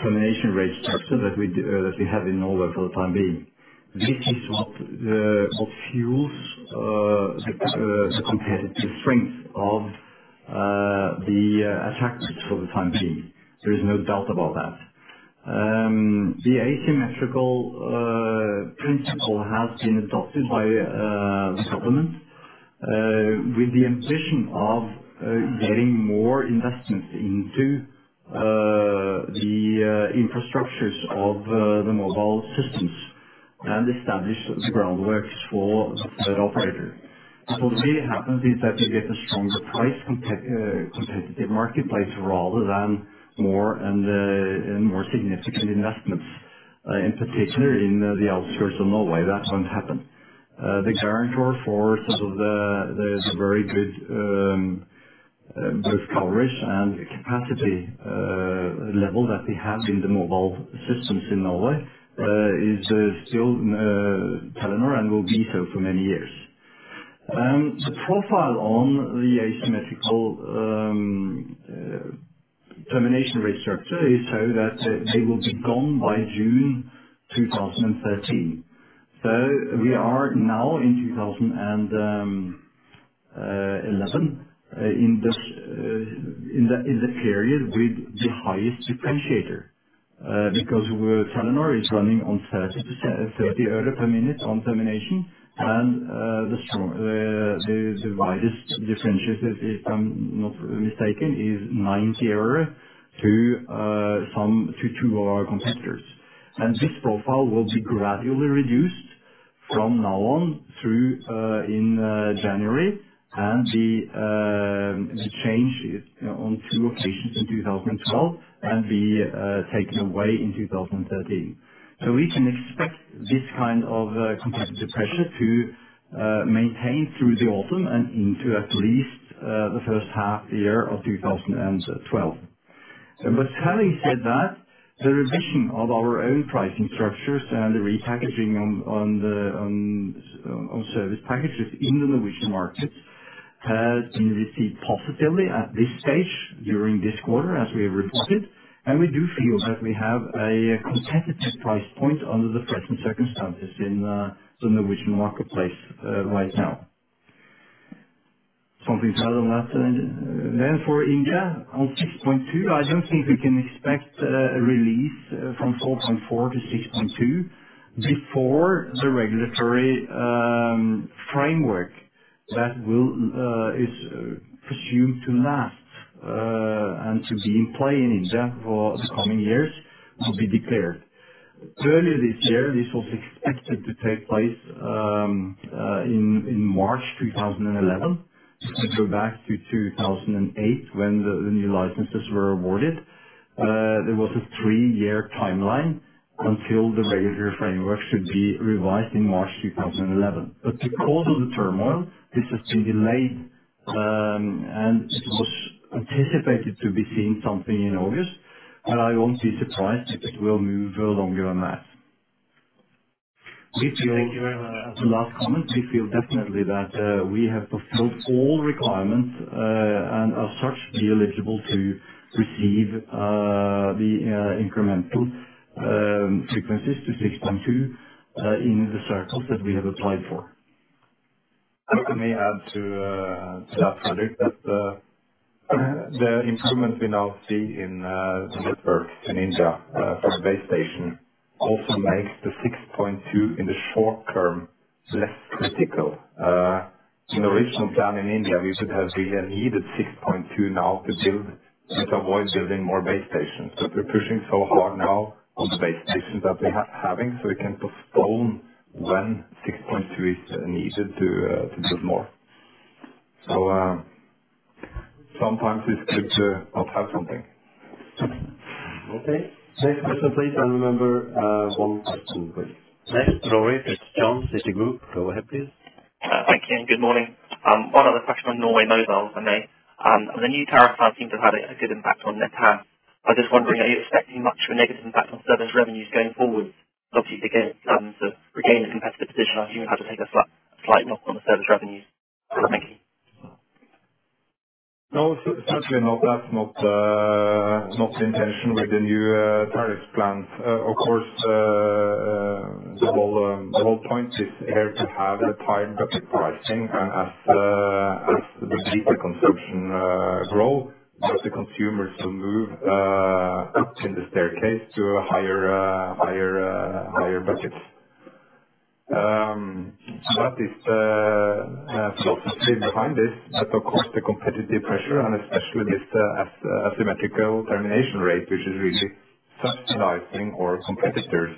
termination rate structure that we have in Norway for the time being. This is what fuels the competitive strength of the attackers for the time being. There is no doubt about that. The asymmetrical principle has been adopted by the government with the intention of getting more investments into the infrastructures of the mobile systems, and establish the groundwork for the third operator. What really happens is that you get a stronger price competitive marketplace, rather than more and more significant investments, in particular in the outskirts of Norway. That won't happen. The guarantor for sort of the very good both coverage and capacity level that we have in the mobile systems in Norway is still Telenor and will be so for many years. The profile on the asymmetrical termination rate structure is so that they will be gone by June 2013. So we are now in 2011 in the period with the highest differentiator because Telenor is running on 30%-30 EUR per minute on termination. And the strongest, the widest differentiator, if I'm not mistaken, is 90 EUR to some to two of our competitors. And this profile will be gradually reduced from now on through in January. The change is on two occasions in 2012, and be taken away in 2013. So we can expect this kind of competitive pressure to maintain through the autumn and into at least the first half year of 2012. But having said that, the revision of our own pricing structures and the repackaging on service packages in the Norwegian market, we see positively at this stage, during this quarter, as we have reported, and we do feel that we have a competitive price point under the present circumstances in the Norwegian marketplace, right now. Something other than that, then for India, on 6.2, I don't think we can expect a release from 4.4 to 6.2, before the regulatory framework that will is presumed to last and to be in play in India for the coming years will be declared. Earlier this year, this was expected to take place in March 2011. If you go back to 2008, when the new licenses were awarded, there was a three-year timeline until the regulatory framework should be revised in March 2011. But because of the turmoil, this has been delayed, and it was anticipated to be seeing something in August, but I won't be surprised if it will move longer than that. We feel, as a last comment, we feel definitely that we have fulfilled all requirements, and as such, be eligible to receive the incremental frequencies to 6.2 in the circles that we have applied for. Let me add to that, Fredrik, that the improvement we now see in India from the base station also makes the 6.2 in the short term less critical. In the original plan in India, we should have really needed 6.2 now to build, and to avoid building more base stations. But we're pushing so hard now on the base stations that we have, so we can postpone when 6.2 is needed to build more. So, sometimes it's good to not have something. Okay. Next question, please, and remember, one at a time, please. Next, Rory, it's John, Citigroup. Go ahead, please. Thank you, and good morning. One other question on Norway Mobile, Rene. The new tariff plans seem to have had a good impact on net add. I'm just wondering, are you expecting much of a negative impact on service revenues going forward, obviously, to get, to regain a competitive position, as you had to take a slight, slight knock on the service revenues? Thank you. No, certainly not. That's not the intention with the new tariff plans. Of course, the whole point is there to have the tiered pricing, and as the data consumption grow, as the consumers will move up in the staircase to higher budgets. That is the philosophy behind this, but of course, the competitive pressure and especially this asymmetrical termination rate, which is really penalizing our competitors,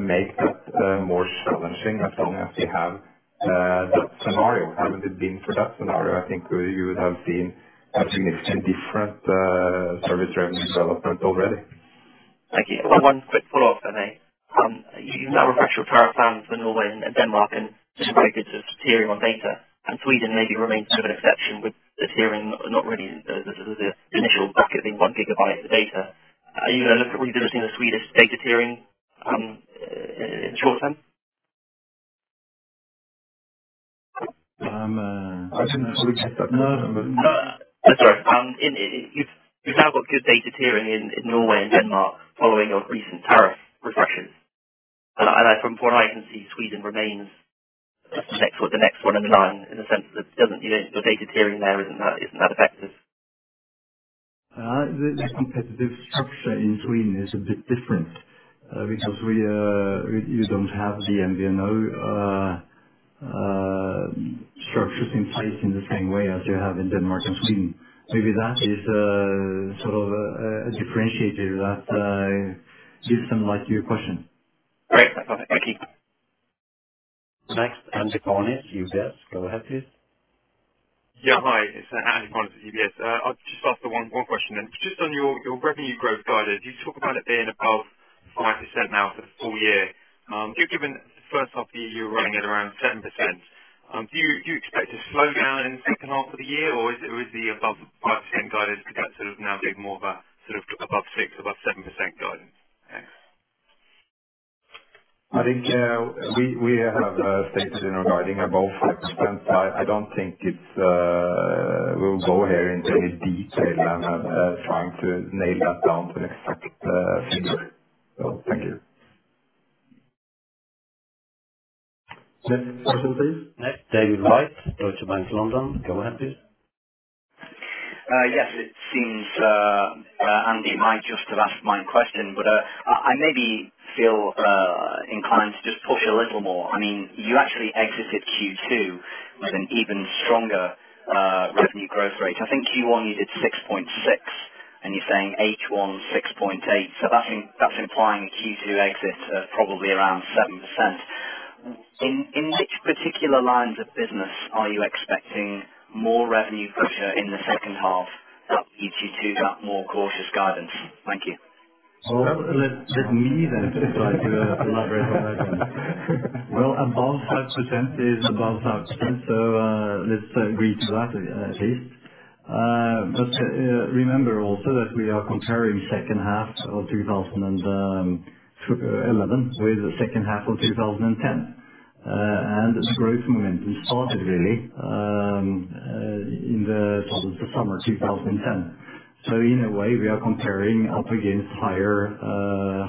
make that more challenging as long as we have that scenario. Hadn't it been for that scenario, I think we would have seen a significantly different service revenue development already. Thank you. One quick follow-up, Rene. You now refresh your tariff plans in Norway and Denmark, and just very good tiering on data, and Sweden maybe remains sort of an exception, with the tiering not really the initial bucket being one gigabyte of data. Are you gonna look at revisiting the Swedish data tiering, in the short term? I didn't actually check that, no, but- Sorry. You've now got good data tiering in Norway and Denmark, following your recent tariff refreshes. And from what I can see, Sweden remains the next one in line, in the sense that doesn't the data tiering there, isn't that effective? The competitive structure in Sweden is a bit different, because we don't have the MVNO structures in place in the same way as you have in Denmark and Sweden. Maybe that is sort of a differentiator that loosens, like, your question. Great. Thank you. Next, Andy Barnes, UBS. Go ahead, please. Yeah, hi. It's Andy Barnes at UBS. I'll just ask the one question, and just on your revenue growth guidance, you talk about it being above 5% now for the full year. Just given the first half of the year, you were running at around 10%. Do you expect to slow down in the second half of the year, or is the above 5% guidance, perhaps sort of now being more of a sort of above 6, above 7% guidance? Thanks. I think we have stated in our guidance above 6%. I don't think it's... we'll go here into detail and trying to nail that down to an exact figure. So thank you. Next question, please. Next, David Wright, Deutsche Bank, London. Go ahead, please. Yes, it seems Andy might just have asked my question, but I maybe feel inclined to just push a little more. I mean, you actually exited Q2 with an even stronger revenue growth rate. I think Q1, you did 6.6, and you're saying H1, 6.8. So that's implying Q2 exits at probably around 7%. In which particular lines of business are you expecting more revenue pressure in the second half, that leads you to that more cautious guidance? Thank you. Well, let me then try to elaborate on that one. Well, above 5% is above 5%, so let's agree to that, Dave.... But remember also that we are comparing second half of 2011 with the second half of 2010. And the growth momentum started really in the summer of 2010. So in a way, we are comparing up against higher,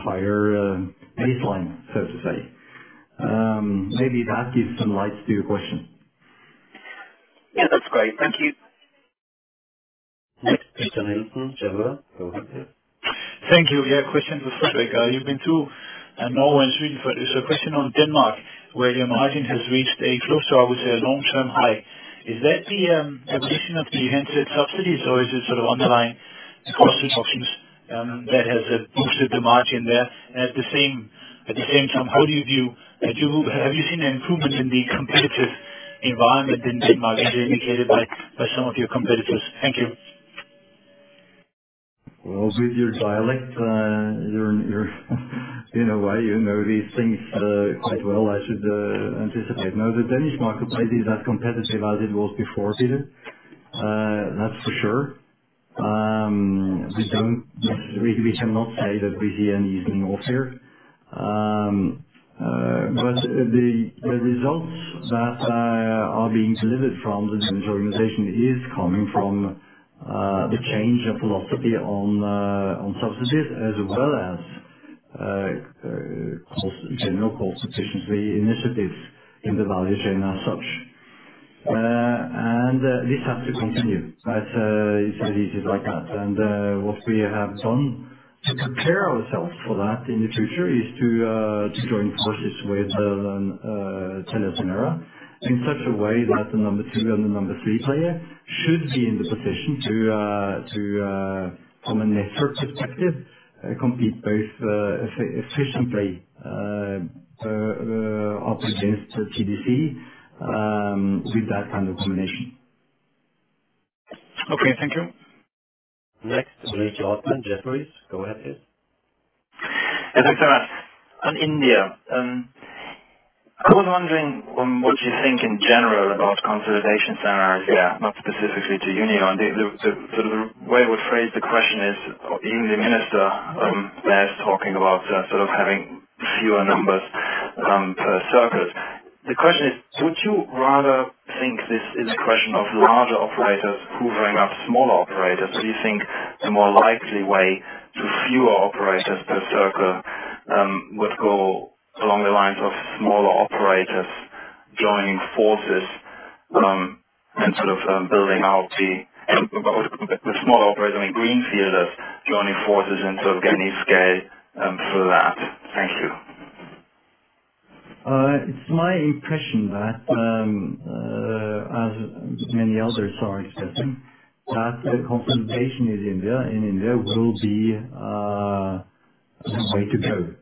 higher baseline, so to say. Maybe that gives some light to your question. Yeah, that's great. Thank you. Next question, Peter, go ahead, please. Thank you. Yeah, question for Fredrik. You've been to Norway and Sweden, but it's a question on Denmark, where your margin has reached a close or with a long-term high. Is that the evolution of the handset subsidies, or is it sort of underlying cost options that has boosted the margin there? At the same time, how do you view - have you seen an improvement in the competitive environment in Denmark, as indicated by some of your competitors? Thank you. Well, with your dialect, you're, you're in a way, you know these things, quite well, I should anticipate. No, the Danish marketplace is as competitive as it was before, Peter. That's for sure. We don't, we cannot say that we see any ease in warfare. But the results that are being delivered from the Danish organization is coming from the change of philosophy on subsidies, as well as cost, general cost efficiency initiatives in the value chain as such. And this has to continue. That's, it's as easy like that. And what we have done to prepare ourselves for that in the future, is to join forces with TeliaSonera. In such a way that the number 2 and the number 3 player should be in the position to from a network perspective compete both up against TDC with that kind of combination. Okay, thank you. Next, Ulrich Rathe, Jefferies. Go ahead, please. Hey, thanks a lot. On India, I was wondering what you think in general about consolidation centers there, not specifically to Uninor. So the way I would phrase the question is, even the minister was talking about sort of having fewer numbers per circle. The question is: would you rather think this is a question of larger operators hoovering up smaller operators? Do you think the more likely way to fewer operators per circle would go along the lines of smaller operators joining forces and sort of building out the small operator in greenfielders, joining forces and sort of getting scale through that? Thank you. It's my impression that, as many others are expecting, that the consolidation in India, in India will be some way to go.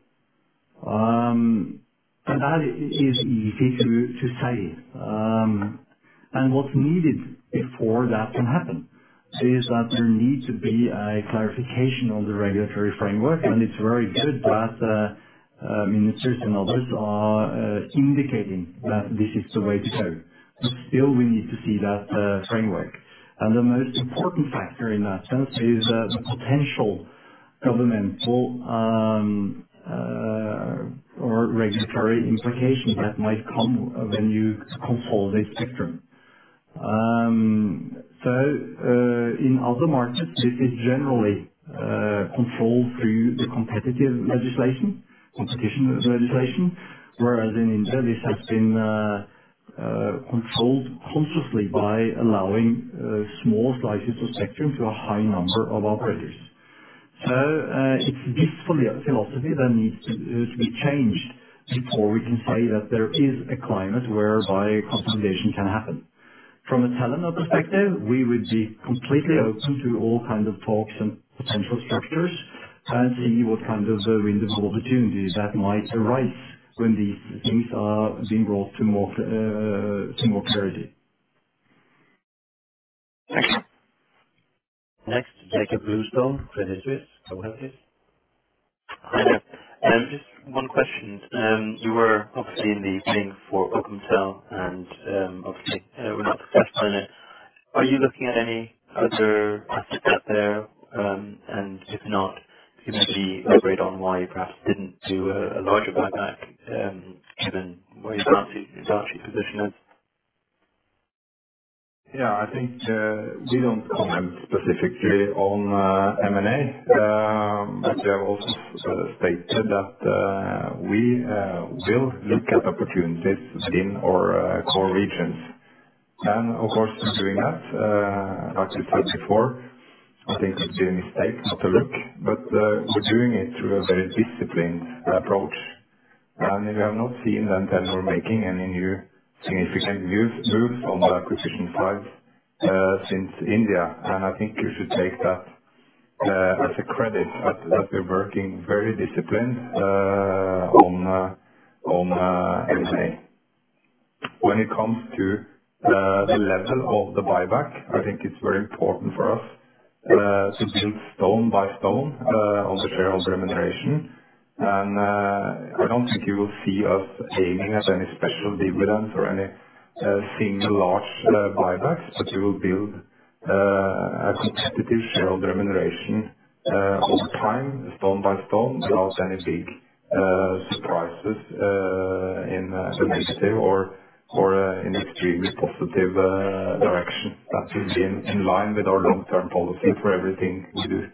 And that is easy to say. And what's needed before that can happen is that there need to be a clarification on the regulatory framework, and it's very good that ministers and others are indicating that this is the way to go. But still we need to see that framework. And the most important factor in that sense is the potential governmental or regulatory implications that might come when you consolidate spectrum. So, in other markets, this is generally controlled through the competitive legislation, competition legislation. Whereas in India, this has been controlled consciously by allowing small slices of spectrum to a high number of operators. It's this philosophy that needs to be changed before we can say that there is a climate whereby consolidation can happen. From a Telenor perspective, we would be completely open to all kinds of talks and potential structures, and see what kind of window of opportunity that might arise when these things are being brought to more clarity. Thank you. Next, Jakob Bluestone, Credit Suisse. Go ahead, please. Hi there. Just one question. You were obviously in the ring for Polkomtel and, obviously were not successful in it. Are you looking at any other parts to cut there? And if not, can you maybe elaborate on why you perhaps didn't do a larger buyback, given where your balancing position is? Yeah, I think we don't comment specifically on M&A. But we have also stated that we will look at opportunities within our core regions. And of course, in doing that, like I said before, I think it would be a mistake not to look, but we're doing it through a very disciplined approach. And we have not seen Telenor making any new significant moves on the acquisition front since India. And I think you should take that as a credit, that we're working very disciplined on M&A. When it comes to the level of the buyback, I think it's very important for us-... to build stone by stone on the shareholder remuneration. And I don't think you will see us aiming at any special dividends or any single large buybacks, but we will build a competitive shareholder remuneration over time, stone by stone, without any big surprises in the negative or in extremely positive direction. That will be in line with our long-term policy for everything we do.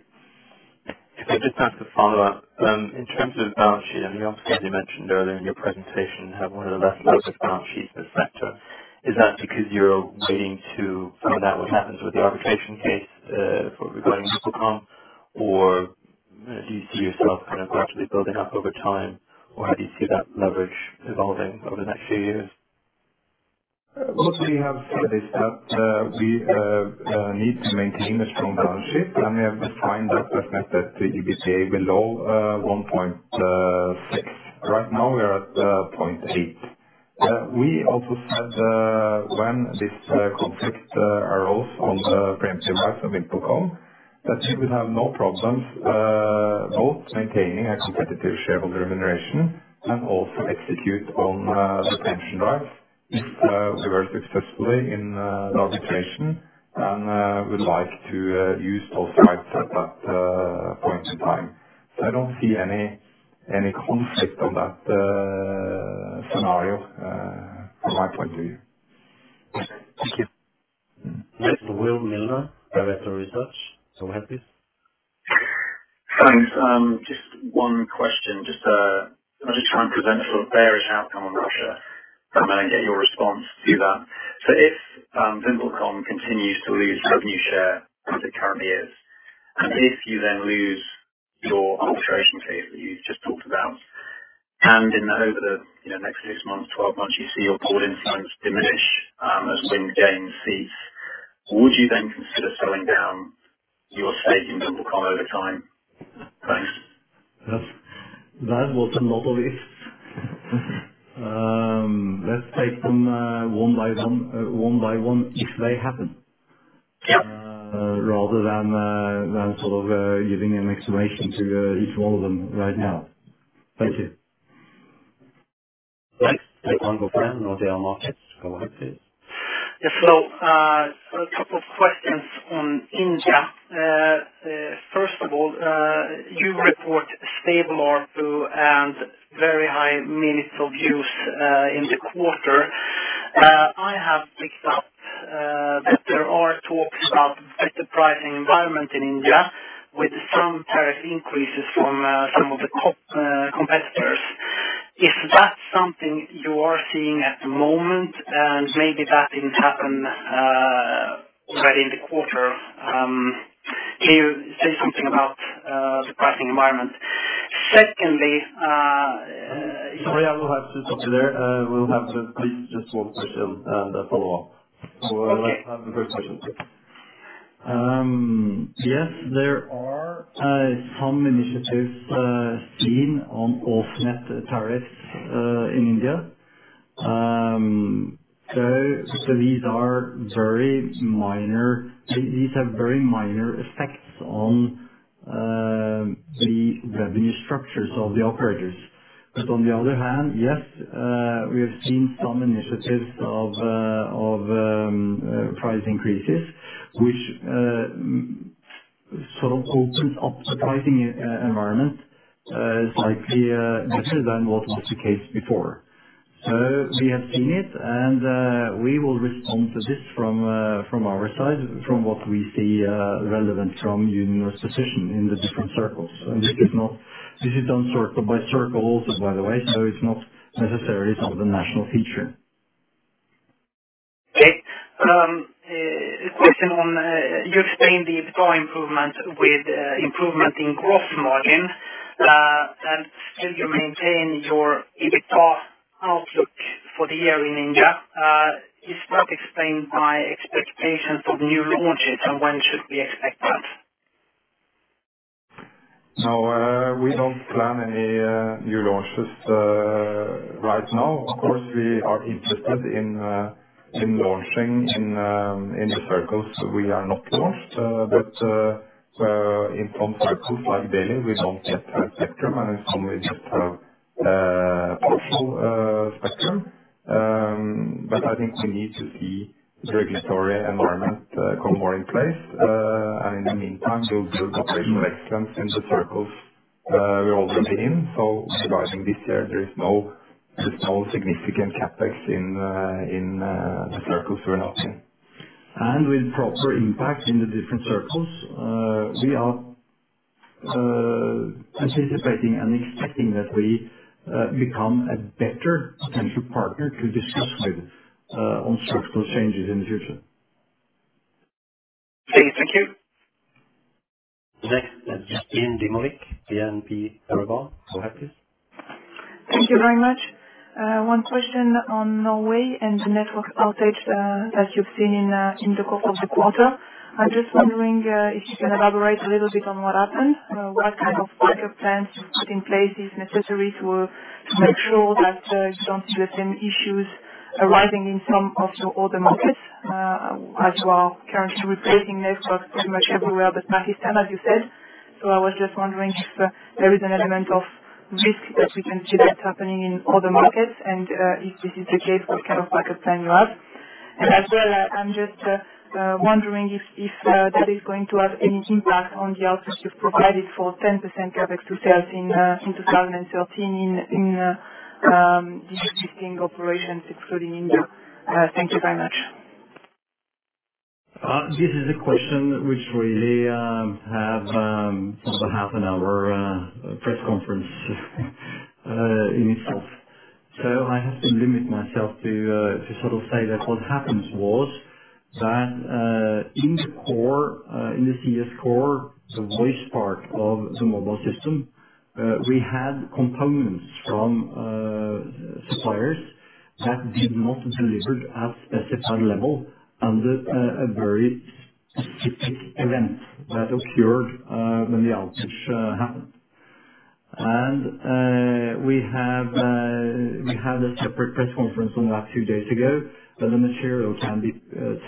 I just have to follow up. In terms of balance sheet, and you obviously mentioned earlier in your presentation, have one of the less focused balance sheets in the sector. Is that because you're waiting to find out what happens with the arbitration case for regarding VimpelCom? Or do you see yourself kind of gradually building up over time, or how do you see that leverage evolving over the next few years? Well, we have said that we need to maintain a strong balance sheet, and we have defined that as the EBITDA below 1.6. Right now, we are at 0.8. We also said, when this conflict arose on the preemptive rights of VimpelCom, that we will have no problems both maintaining a competitive shareholder remuneration and also execute on the preemptive rights very successfully in the arbitration. And, we'd like to use those rights at that point in time. So I don't see any conflict on that scenario from my point of view. Thank you. Next, Will Miller, Vector Research. Go ahead, please. Thanks. Just one question. Just, I'm just trying to present a sort of bearish outcome on Russia and then get your response to that. So if VimpelCom continues to lose revenue share, as it currently is, and if you then lose your arbitration case, you just talked about, and over the, you know, next six months, 12 months, you see your call insights diminish, as Wind gains seats, would you then consider selling down your stake in VimpelCom over time? Thanks. That was a lot of ifs. Let's take them one by one, one by one, if they happen- Yep. Rather than sort of giving an explanation to each one of them right now. Thank you. Next, Angelo Pan, Nordea Markets. Go ahead, please. Yeah. So, a couple of questions on India. First of all, you report stable ARPU and very high minutes of use in the quarter. I have picked up that there are talks about better pricing environment in India, with some tariff increases from some of the competitors. Is that something you are seeing at the moment? And maybe that didn't happen already in the quarter. Can you say something about the pricing environment? Secondly, Sorry, I will have to stop you there. We'll have to, please, just one question and a follow-up. Okay. So let's have the first question. Yes, there are some initiatives seen on off-net tariffs in India. So these are very minor. These have very minor effects on the revenue structures of the operators. But on the other hand, yes, we have seen some initiatives of price increases, which sort of opens up the pricing environment slightly better than what was the case before. We have seen it, and we will respond to this from our side, from what we see relevant from Uninor position in the different circles. And this is not-- This is done circle by circle also, by the way, so it's not necessarily some national feature. Okay. A question on, you explained the EBITDA improvement with, improvement in growth margin. And still you maintain your EBITDA outlook for the year in India. Is that explained by expectations of new launches, and when should we expect that? No, we don't plan any new launches right now. Of course, we are interested in launching in the circles we are not launched. But in some circles, like Delhi, we don't get spectrum, and in some we get awful spectrum. But I think we need to see the regulatory environment come more in place. And in the meantime, we'll build operational excellence in the circles we're already in. So regarding this year, there is no, there's no significant CapEx in the circles we're not in. And with proper impact in the different circles, we are anticipating and expecting that we become a better potential partner to discuss with on structural changes in the future. Okay. Thank you. Next, is Yannick Desmulliez, BNP Paribas. Go ahead, please. Thank you very much. One question on Norway and the network outage that you've seen in the course of the quarter. I'm just wondering if you can elaborate a little bit on what happened. What kind of backup plans you've put in place is necessary to make sure that you don't get the same issues arising in some of your other markets as well? Currently, we're placing networks pretty much everywhere, but Pakistan, as you said.... So I was just wondering if there is an element of risk that we can see that's happening in other markets, and if this is the case, what kind of backup plan you have? As well, I'm just wondering if that is going to have any impact on the outlook you've provided for 10% CapEx to sales in 2013 in Nordic operations, excluding India. Thank you very much. This is a question which really have over half an hour press conference in itself. So I have to limit myself to to sort of say that what happened was that in the core in the CS core, the voice part of the mobile system, we had components from suppliers that did not deliver at specified level under a very specific event that occurred when the outage happened. And we had a separate press conference on that a few days ago, but the material can be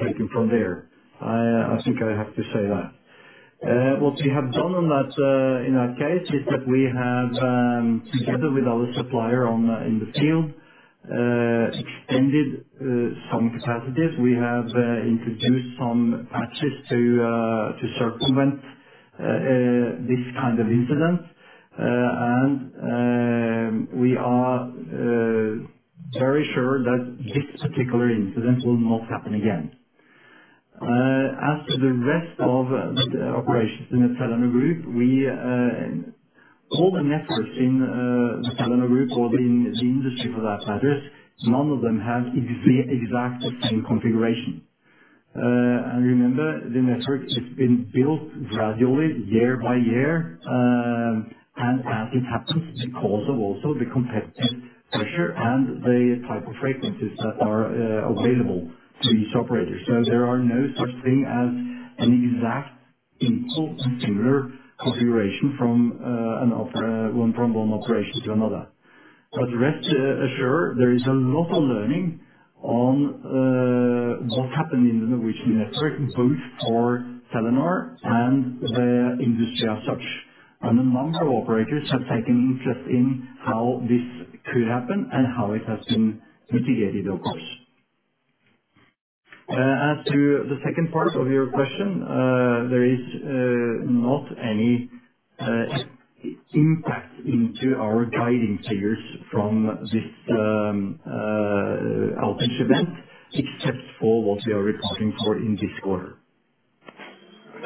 taken from there. I think I have to say that. What we have done on that in our case is that we have together with our supplier in the field extended some capacities. We have introduced some patches to circumvent this kind of incidents. We are very sure that this particular incident will not happen again. As to the rest of the operations in the Telenor Group, all the networks in the Telenor Group or in the industry, for that matter, none of them have exactly exact same configuration. And remember, the network has been built gradually, year by year, and as it happens, because of also the competitive pressure and the type of frequencies that are available to these operators. So there are no such thing as an exact import and similar configuration from one operation to another. But rest assured, there is a lot of learning on what happened in the Norwegian network, both for Telenor and the industry as such. And a number of operators have taken interest in how this could happen and how it has been mitigated, of course. As to the second part of your question, there is not any impact into our guiding figures from this outage event. It's just for what we are reporting for in this quarter.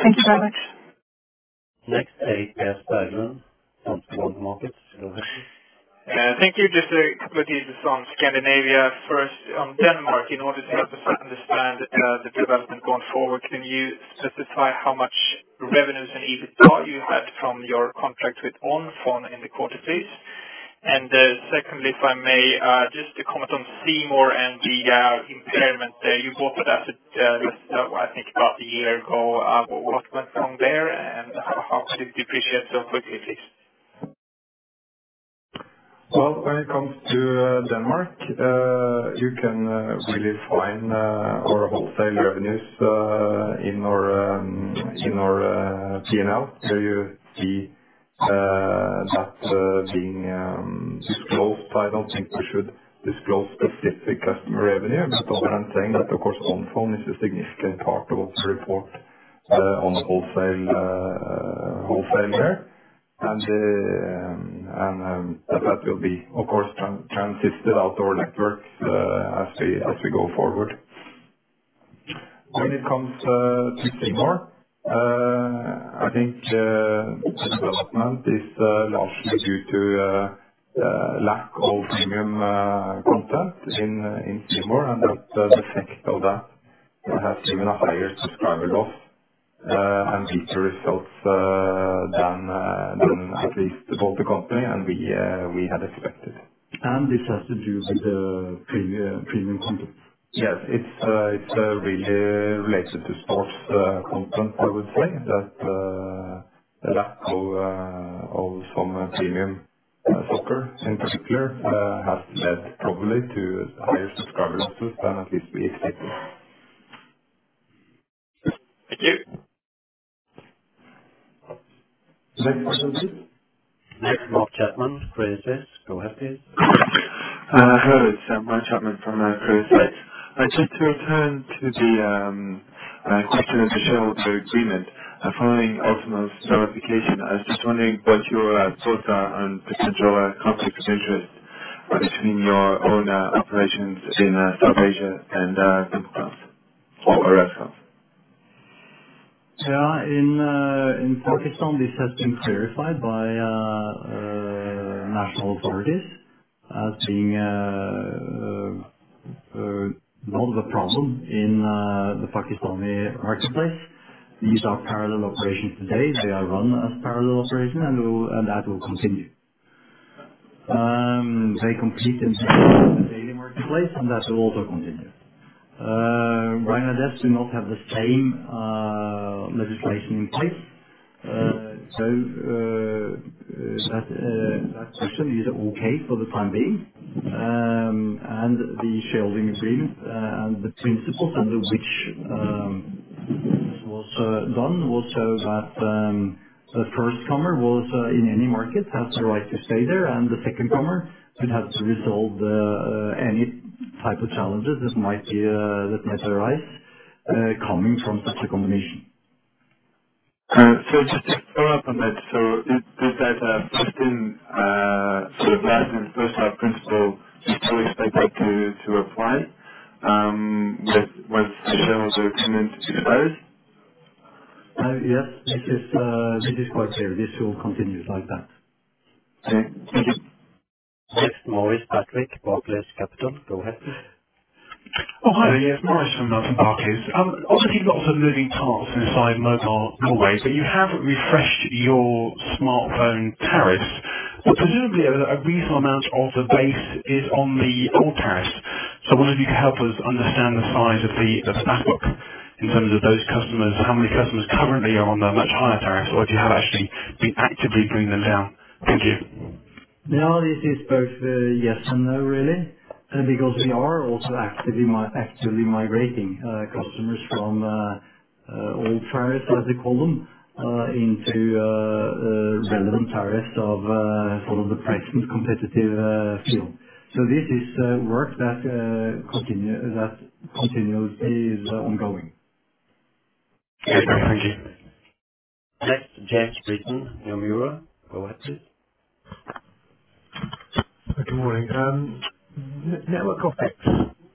Thank you very much. Next, is Per Lindberg from Nordnet. Thank you. Just a couple of pieces on Scandinavia. First, on Denmark, in order to help us understand the development going forward, can you specify how much revenues and EBITDA you had from your contract with Onfone in the quarter, please? And, secondly, if I may, just to comment on C More and the impairment, you bought that, I think about a year ago. What went wrong there, and how do you depreciate the quick basics? Well, when it comes to Denmark, you can really find our wholesale revenues in our P&L. So you see that being disclosed. I don't think we should disclose specific customer revenue, but what I'm saying is that, of course, Onfone is a significant part of the report on the wholesale there, and that will be, of course, transited out our networks as we go forward. When it comes to C More, I think the development is largely due to lack of premium content in C More, and that the effect of that has been a higher subscriber loss and weaker results than at least both the company and we had expected. This has to do with the premium content? Yes, it's really related to sports content, I would say. That the lack of some premium soccer in particular has led probably to higher subscriber losses than at least we expected. Thank you. Next, Mark Chapman, Credit Suisse. Go ahead, please. Hello, it's Mark Chapman from Credit Suisse. I just to return to the question of the shareholder agreement. Following Altimo verification, I was just wondering what your thoughts are on potential conflicts of interest between your own operations in South Asia and Telenor or Alfa. Yeah, in Pakistan, this has been clarified by national authorities as being not a problem in the Pakistani marketplace. These are parallel operations today. They are run as parallel operation, and that will continue. They compete in the marketplace, and that will also continue. Bangladesh do not have the same legislation in place, so that section is okay for the time being. And the sharing agreement and the principles under which was done will show that the first comer in any market has the right to stay there. And the second comer will have to resolve any type of challenges that might arise coming from such a combination. So just to follow up on that, so this has a built-in, so first in first out principle is always expected to apply once the terms are coming to expires? Yes, this is quite clear. This will continue like that. Okay, thank you. Next, Maurice Patrick, Barclays Capital. Go ahead. Oh, hi there. Yes, Maurice from Barclays. Obviously you've got a lot of moving parts inside Mobile Norway, but you have refreshed your smartphone tariffs. But presumably, a reasonable amount of the base is on the old tariffs. So I wonder if you could help us understand the size of the snap up, in terms of those customers? How many customers currently are on the much higher tariff, or do you have actually been actively bringing them down? Thank you. Now, this is both yes and no, really. Because we are also actively migrating customers from old tariffs, as we call them, into relevant tariffs of sort of the price and competitive field. So this is work that continues is ongoing. Okay, thank you. Next, James Britton, Nomura. Go ahead, sir. Good morning. Network effects,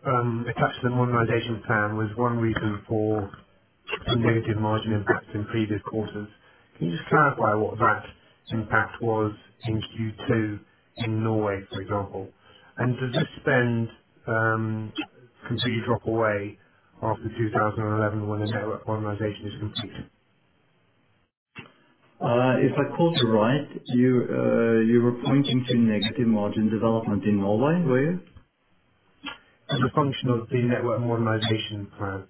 attached to the modernization plan, was one reason for the negative margin impact in previous quarters. Can you just clarify what that impact was in Q2, in Norway, for example? And does this spend completely drop away after 2011, when the network modernization is complete? If I caught you right, you were pointing to negative margin development in Norway, were you? As a function of the network modernization plan.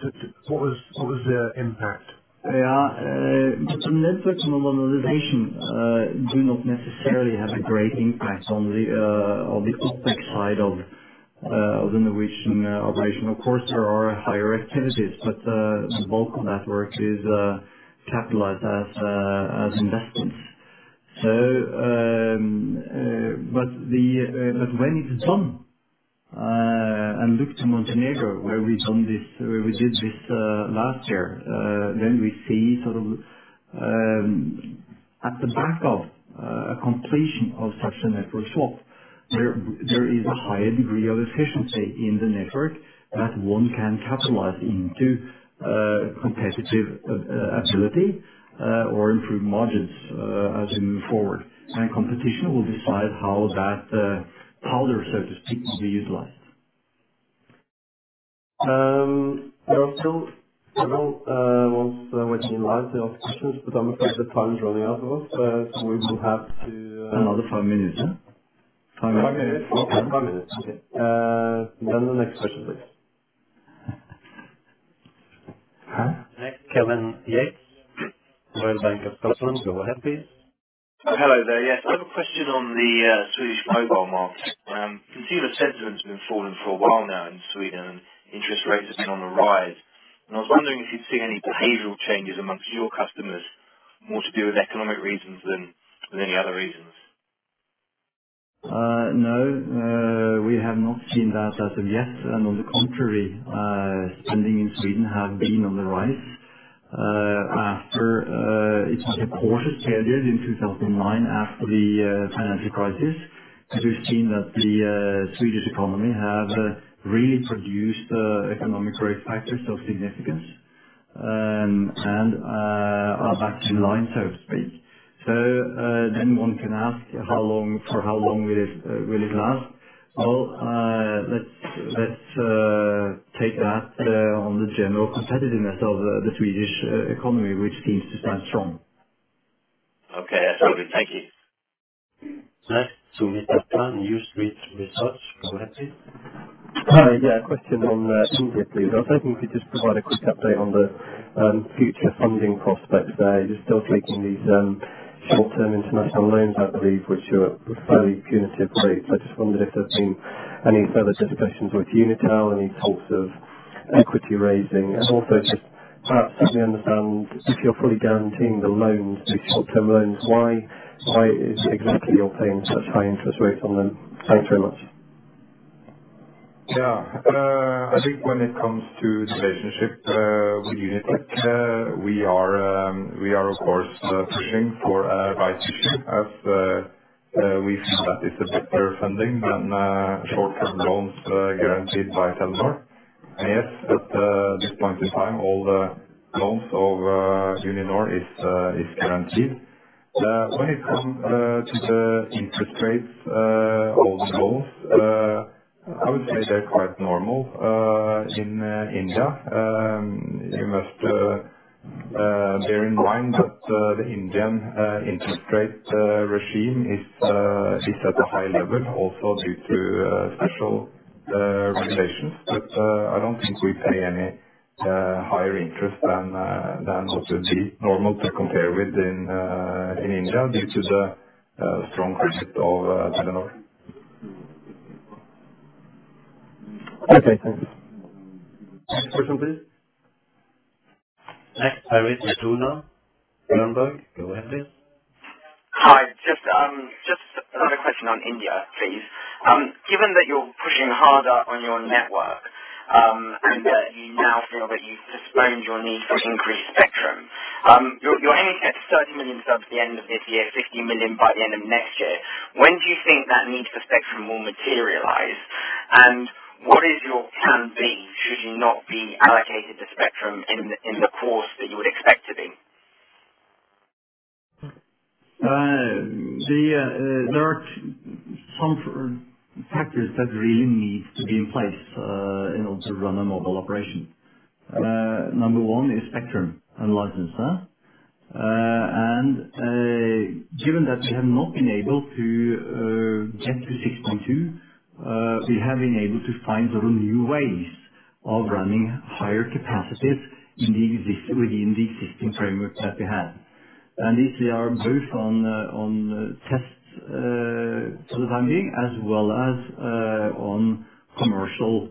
To what was, what was the impact? Yeah. Network normalization do not necessarily have a great impact on the OpEx side of the Norwegian operation. Of course, there are higher activities, but the bulk of that work is capitalized as investments. So, but when it's done, and look to Montenegro, where we've done this, where we did this last year, then we see sort of at the back of a completion of such a network swap, there is a higher degree of efficiency in the network, that one can capitalize into competitive ability or improve margins as we move forward. And competition will decide how that, how there, so to speak, will be utilized. There are still several waiting in line, the questions, but I'm afraid the time is running out on us, so we will have to- Another five minutes, yeah? Five minutes. Okay, five minutes. Then the next question, please. Next, Kevin Yates, Royal Bank of Scotland. Go ahead, please. Hello there. Yes, I have a question on the Swedish mobile market. Consumer sentiment has been falling for a while now in Sweden. Interest rates have been on the rise, and I was wondering if you'd see any behavioral changes among your customers, more to do with economic reasons than any other reasons? No. We have not seen that as of yet, and on the contrary, spending in Sweden have been on the rise. After, it's like a quarter period in 2009, after the financial crisis, that we've seen that the Swedish economy have really produced economic growth factors of significance. And are back in line, so to speak. So then one can ask, how long, for how long will it will it last? Well, let's take that on the general competitiveness of the Swedish economy, which seems to stand strong. Okay, that's all good. Thank you. Next, Soomit Datta, New Street Research. Go ahead, please. Yeah, a question on India, please. I was hoping you could just provide a quick update on the future funding prospects there. You're still taking these short-term international loans, I believe, which are fairly punitive rates. I just wondered if there have been any further discussions with Unitech, any talks of equity raising? And also, just perhaps, help me understand, if you're fully guaranteeing the loans, the short-term loans, why, why is exactly you're paying such high interest rates on them? Thanks very much. Yeah. I think when it comes to the relationship with Unitech, we are, we are, of course, pushing for a right issue, as we feel that it's a better funding than short-term loans guaranteed by Telenor. And yes, at this point in time, all the loans over Uninor is guaranteed. When it comes to the interest rates on the loans, I would say they're quite normal in India. You must bear in mind that the Indian interest rate regime is at a high level, also due to special regulations. But I don't think we pay any-... higher interest than what you would see normal to compare with in India, due to the strong presence of Telenor. Okay, thank you. Next question, please. Next, Barry Zeitoune, Berenberg. Go ahead, please. Hi, just another question on India, please. Given that you're pushing harder on your network, and that you now feel that you've postponed your need for increased spectrum, your aim is at 30 million subs at the end of this year, 50 million by the end of next year. When do you think that need for spectrum will materialize? And what is your plan B, should you not be allocated the spectrum in the course that you would expect to be? There are some factors that really need to be in place in order to run a mobile operation. Number one is spectrum and license, and given that we have not been able to get to 62, we have been able to find sort of new ways of running higher capacities within the existing framework that we have. And these we are both on tests for the time being, as well as on commercial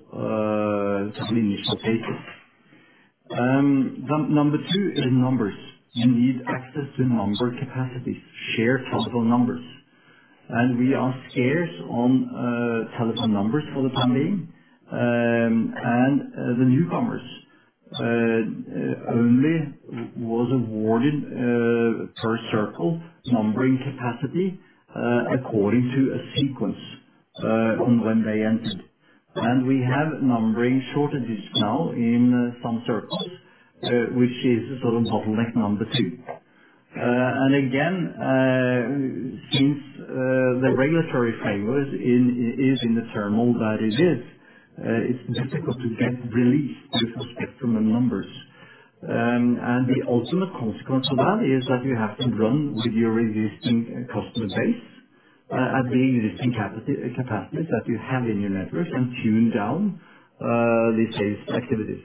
initial basis. Number two is numbers. You need access to number capacities, share telephone numbers. And we are scarce on telephone numbers for the time being. And the newcomers only was awarded per circle, numbering capacity according to a sequence on when they entered. And we have numbering shortages now in some circles, which is sort of bottleneck number two. And again, since the regulatory framework is in the term that it is, it's difficult to get released with the spectrum of numbers. And the ultimate consequence of that is that you have to run with your existing customer base, and the existing capacities that you have in your network and tune down the sales activities.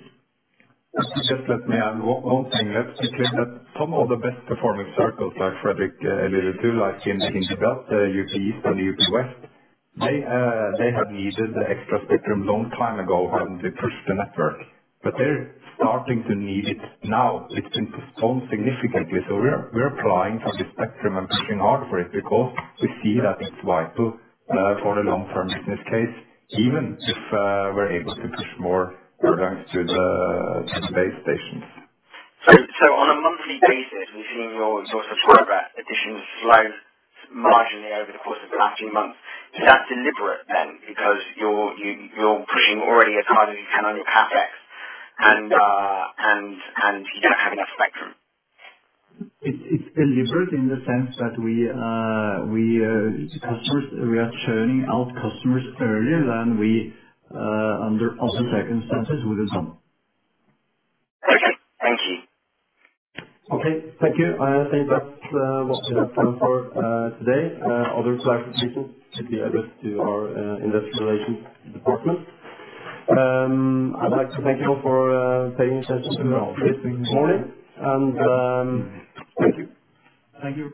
Just let me add one thing. That some of the best performing circles, like Fredrik alluded to, like in the Hindi belt, UP East and UP West, they have needed the extra spectrum long time ago when they pushed the network, but they're starting to need it now. It's been postponed significantly. So we are applying for the spectrum and pushing hard for it, because we see that it's vital for the long term business case, even if we're able to push more products to the base stations. On a monthly basis, we've seen your subscriber additions slow marginally over the course of the last few months. Is that deliberate then? Because you're pushing already as hard as you can on your CapEx and you don't have enough spectrum. It's deliberate in the sense that we are churning out customers earlier than we under other circumstances would have done. Okay. Thank you. Okay. Thank you. I think that's what we have time for today. Other select questions should be addressed to our investor relations department. I'd like to thank you all for paying attention this morning, and thank you. Thank you.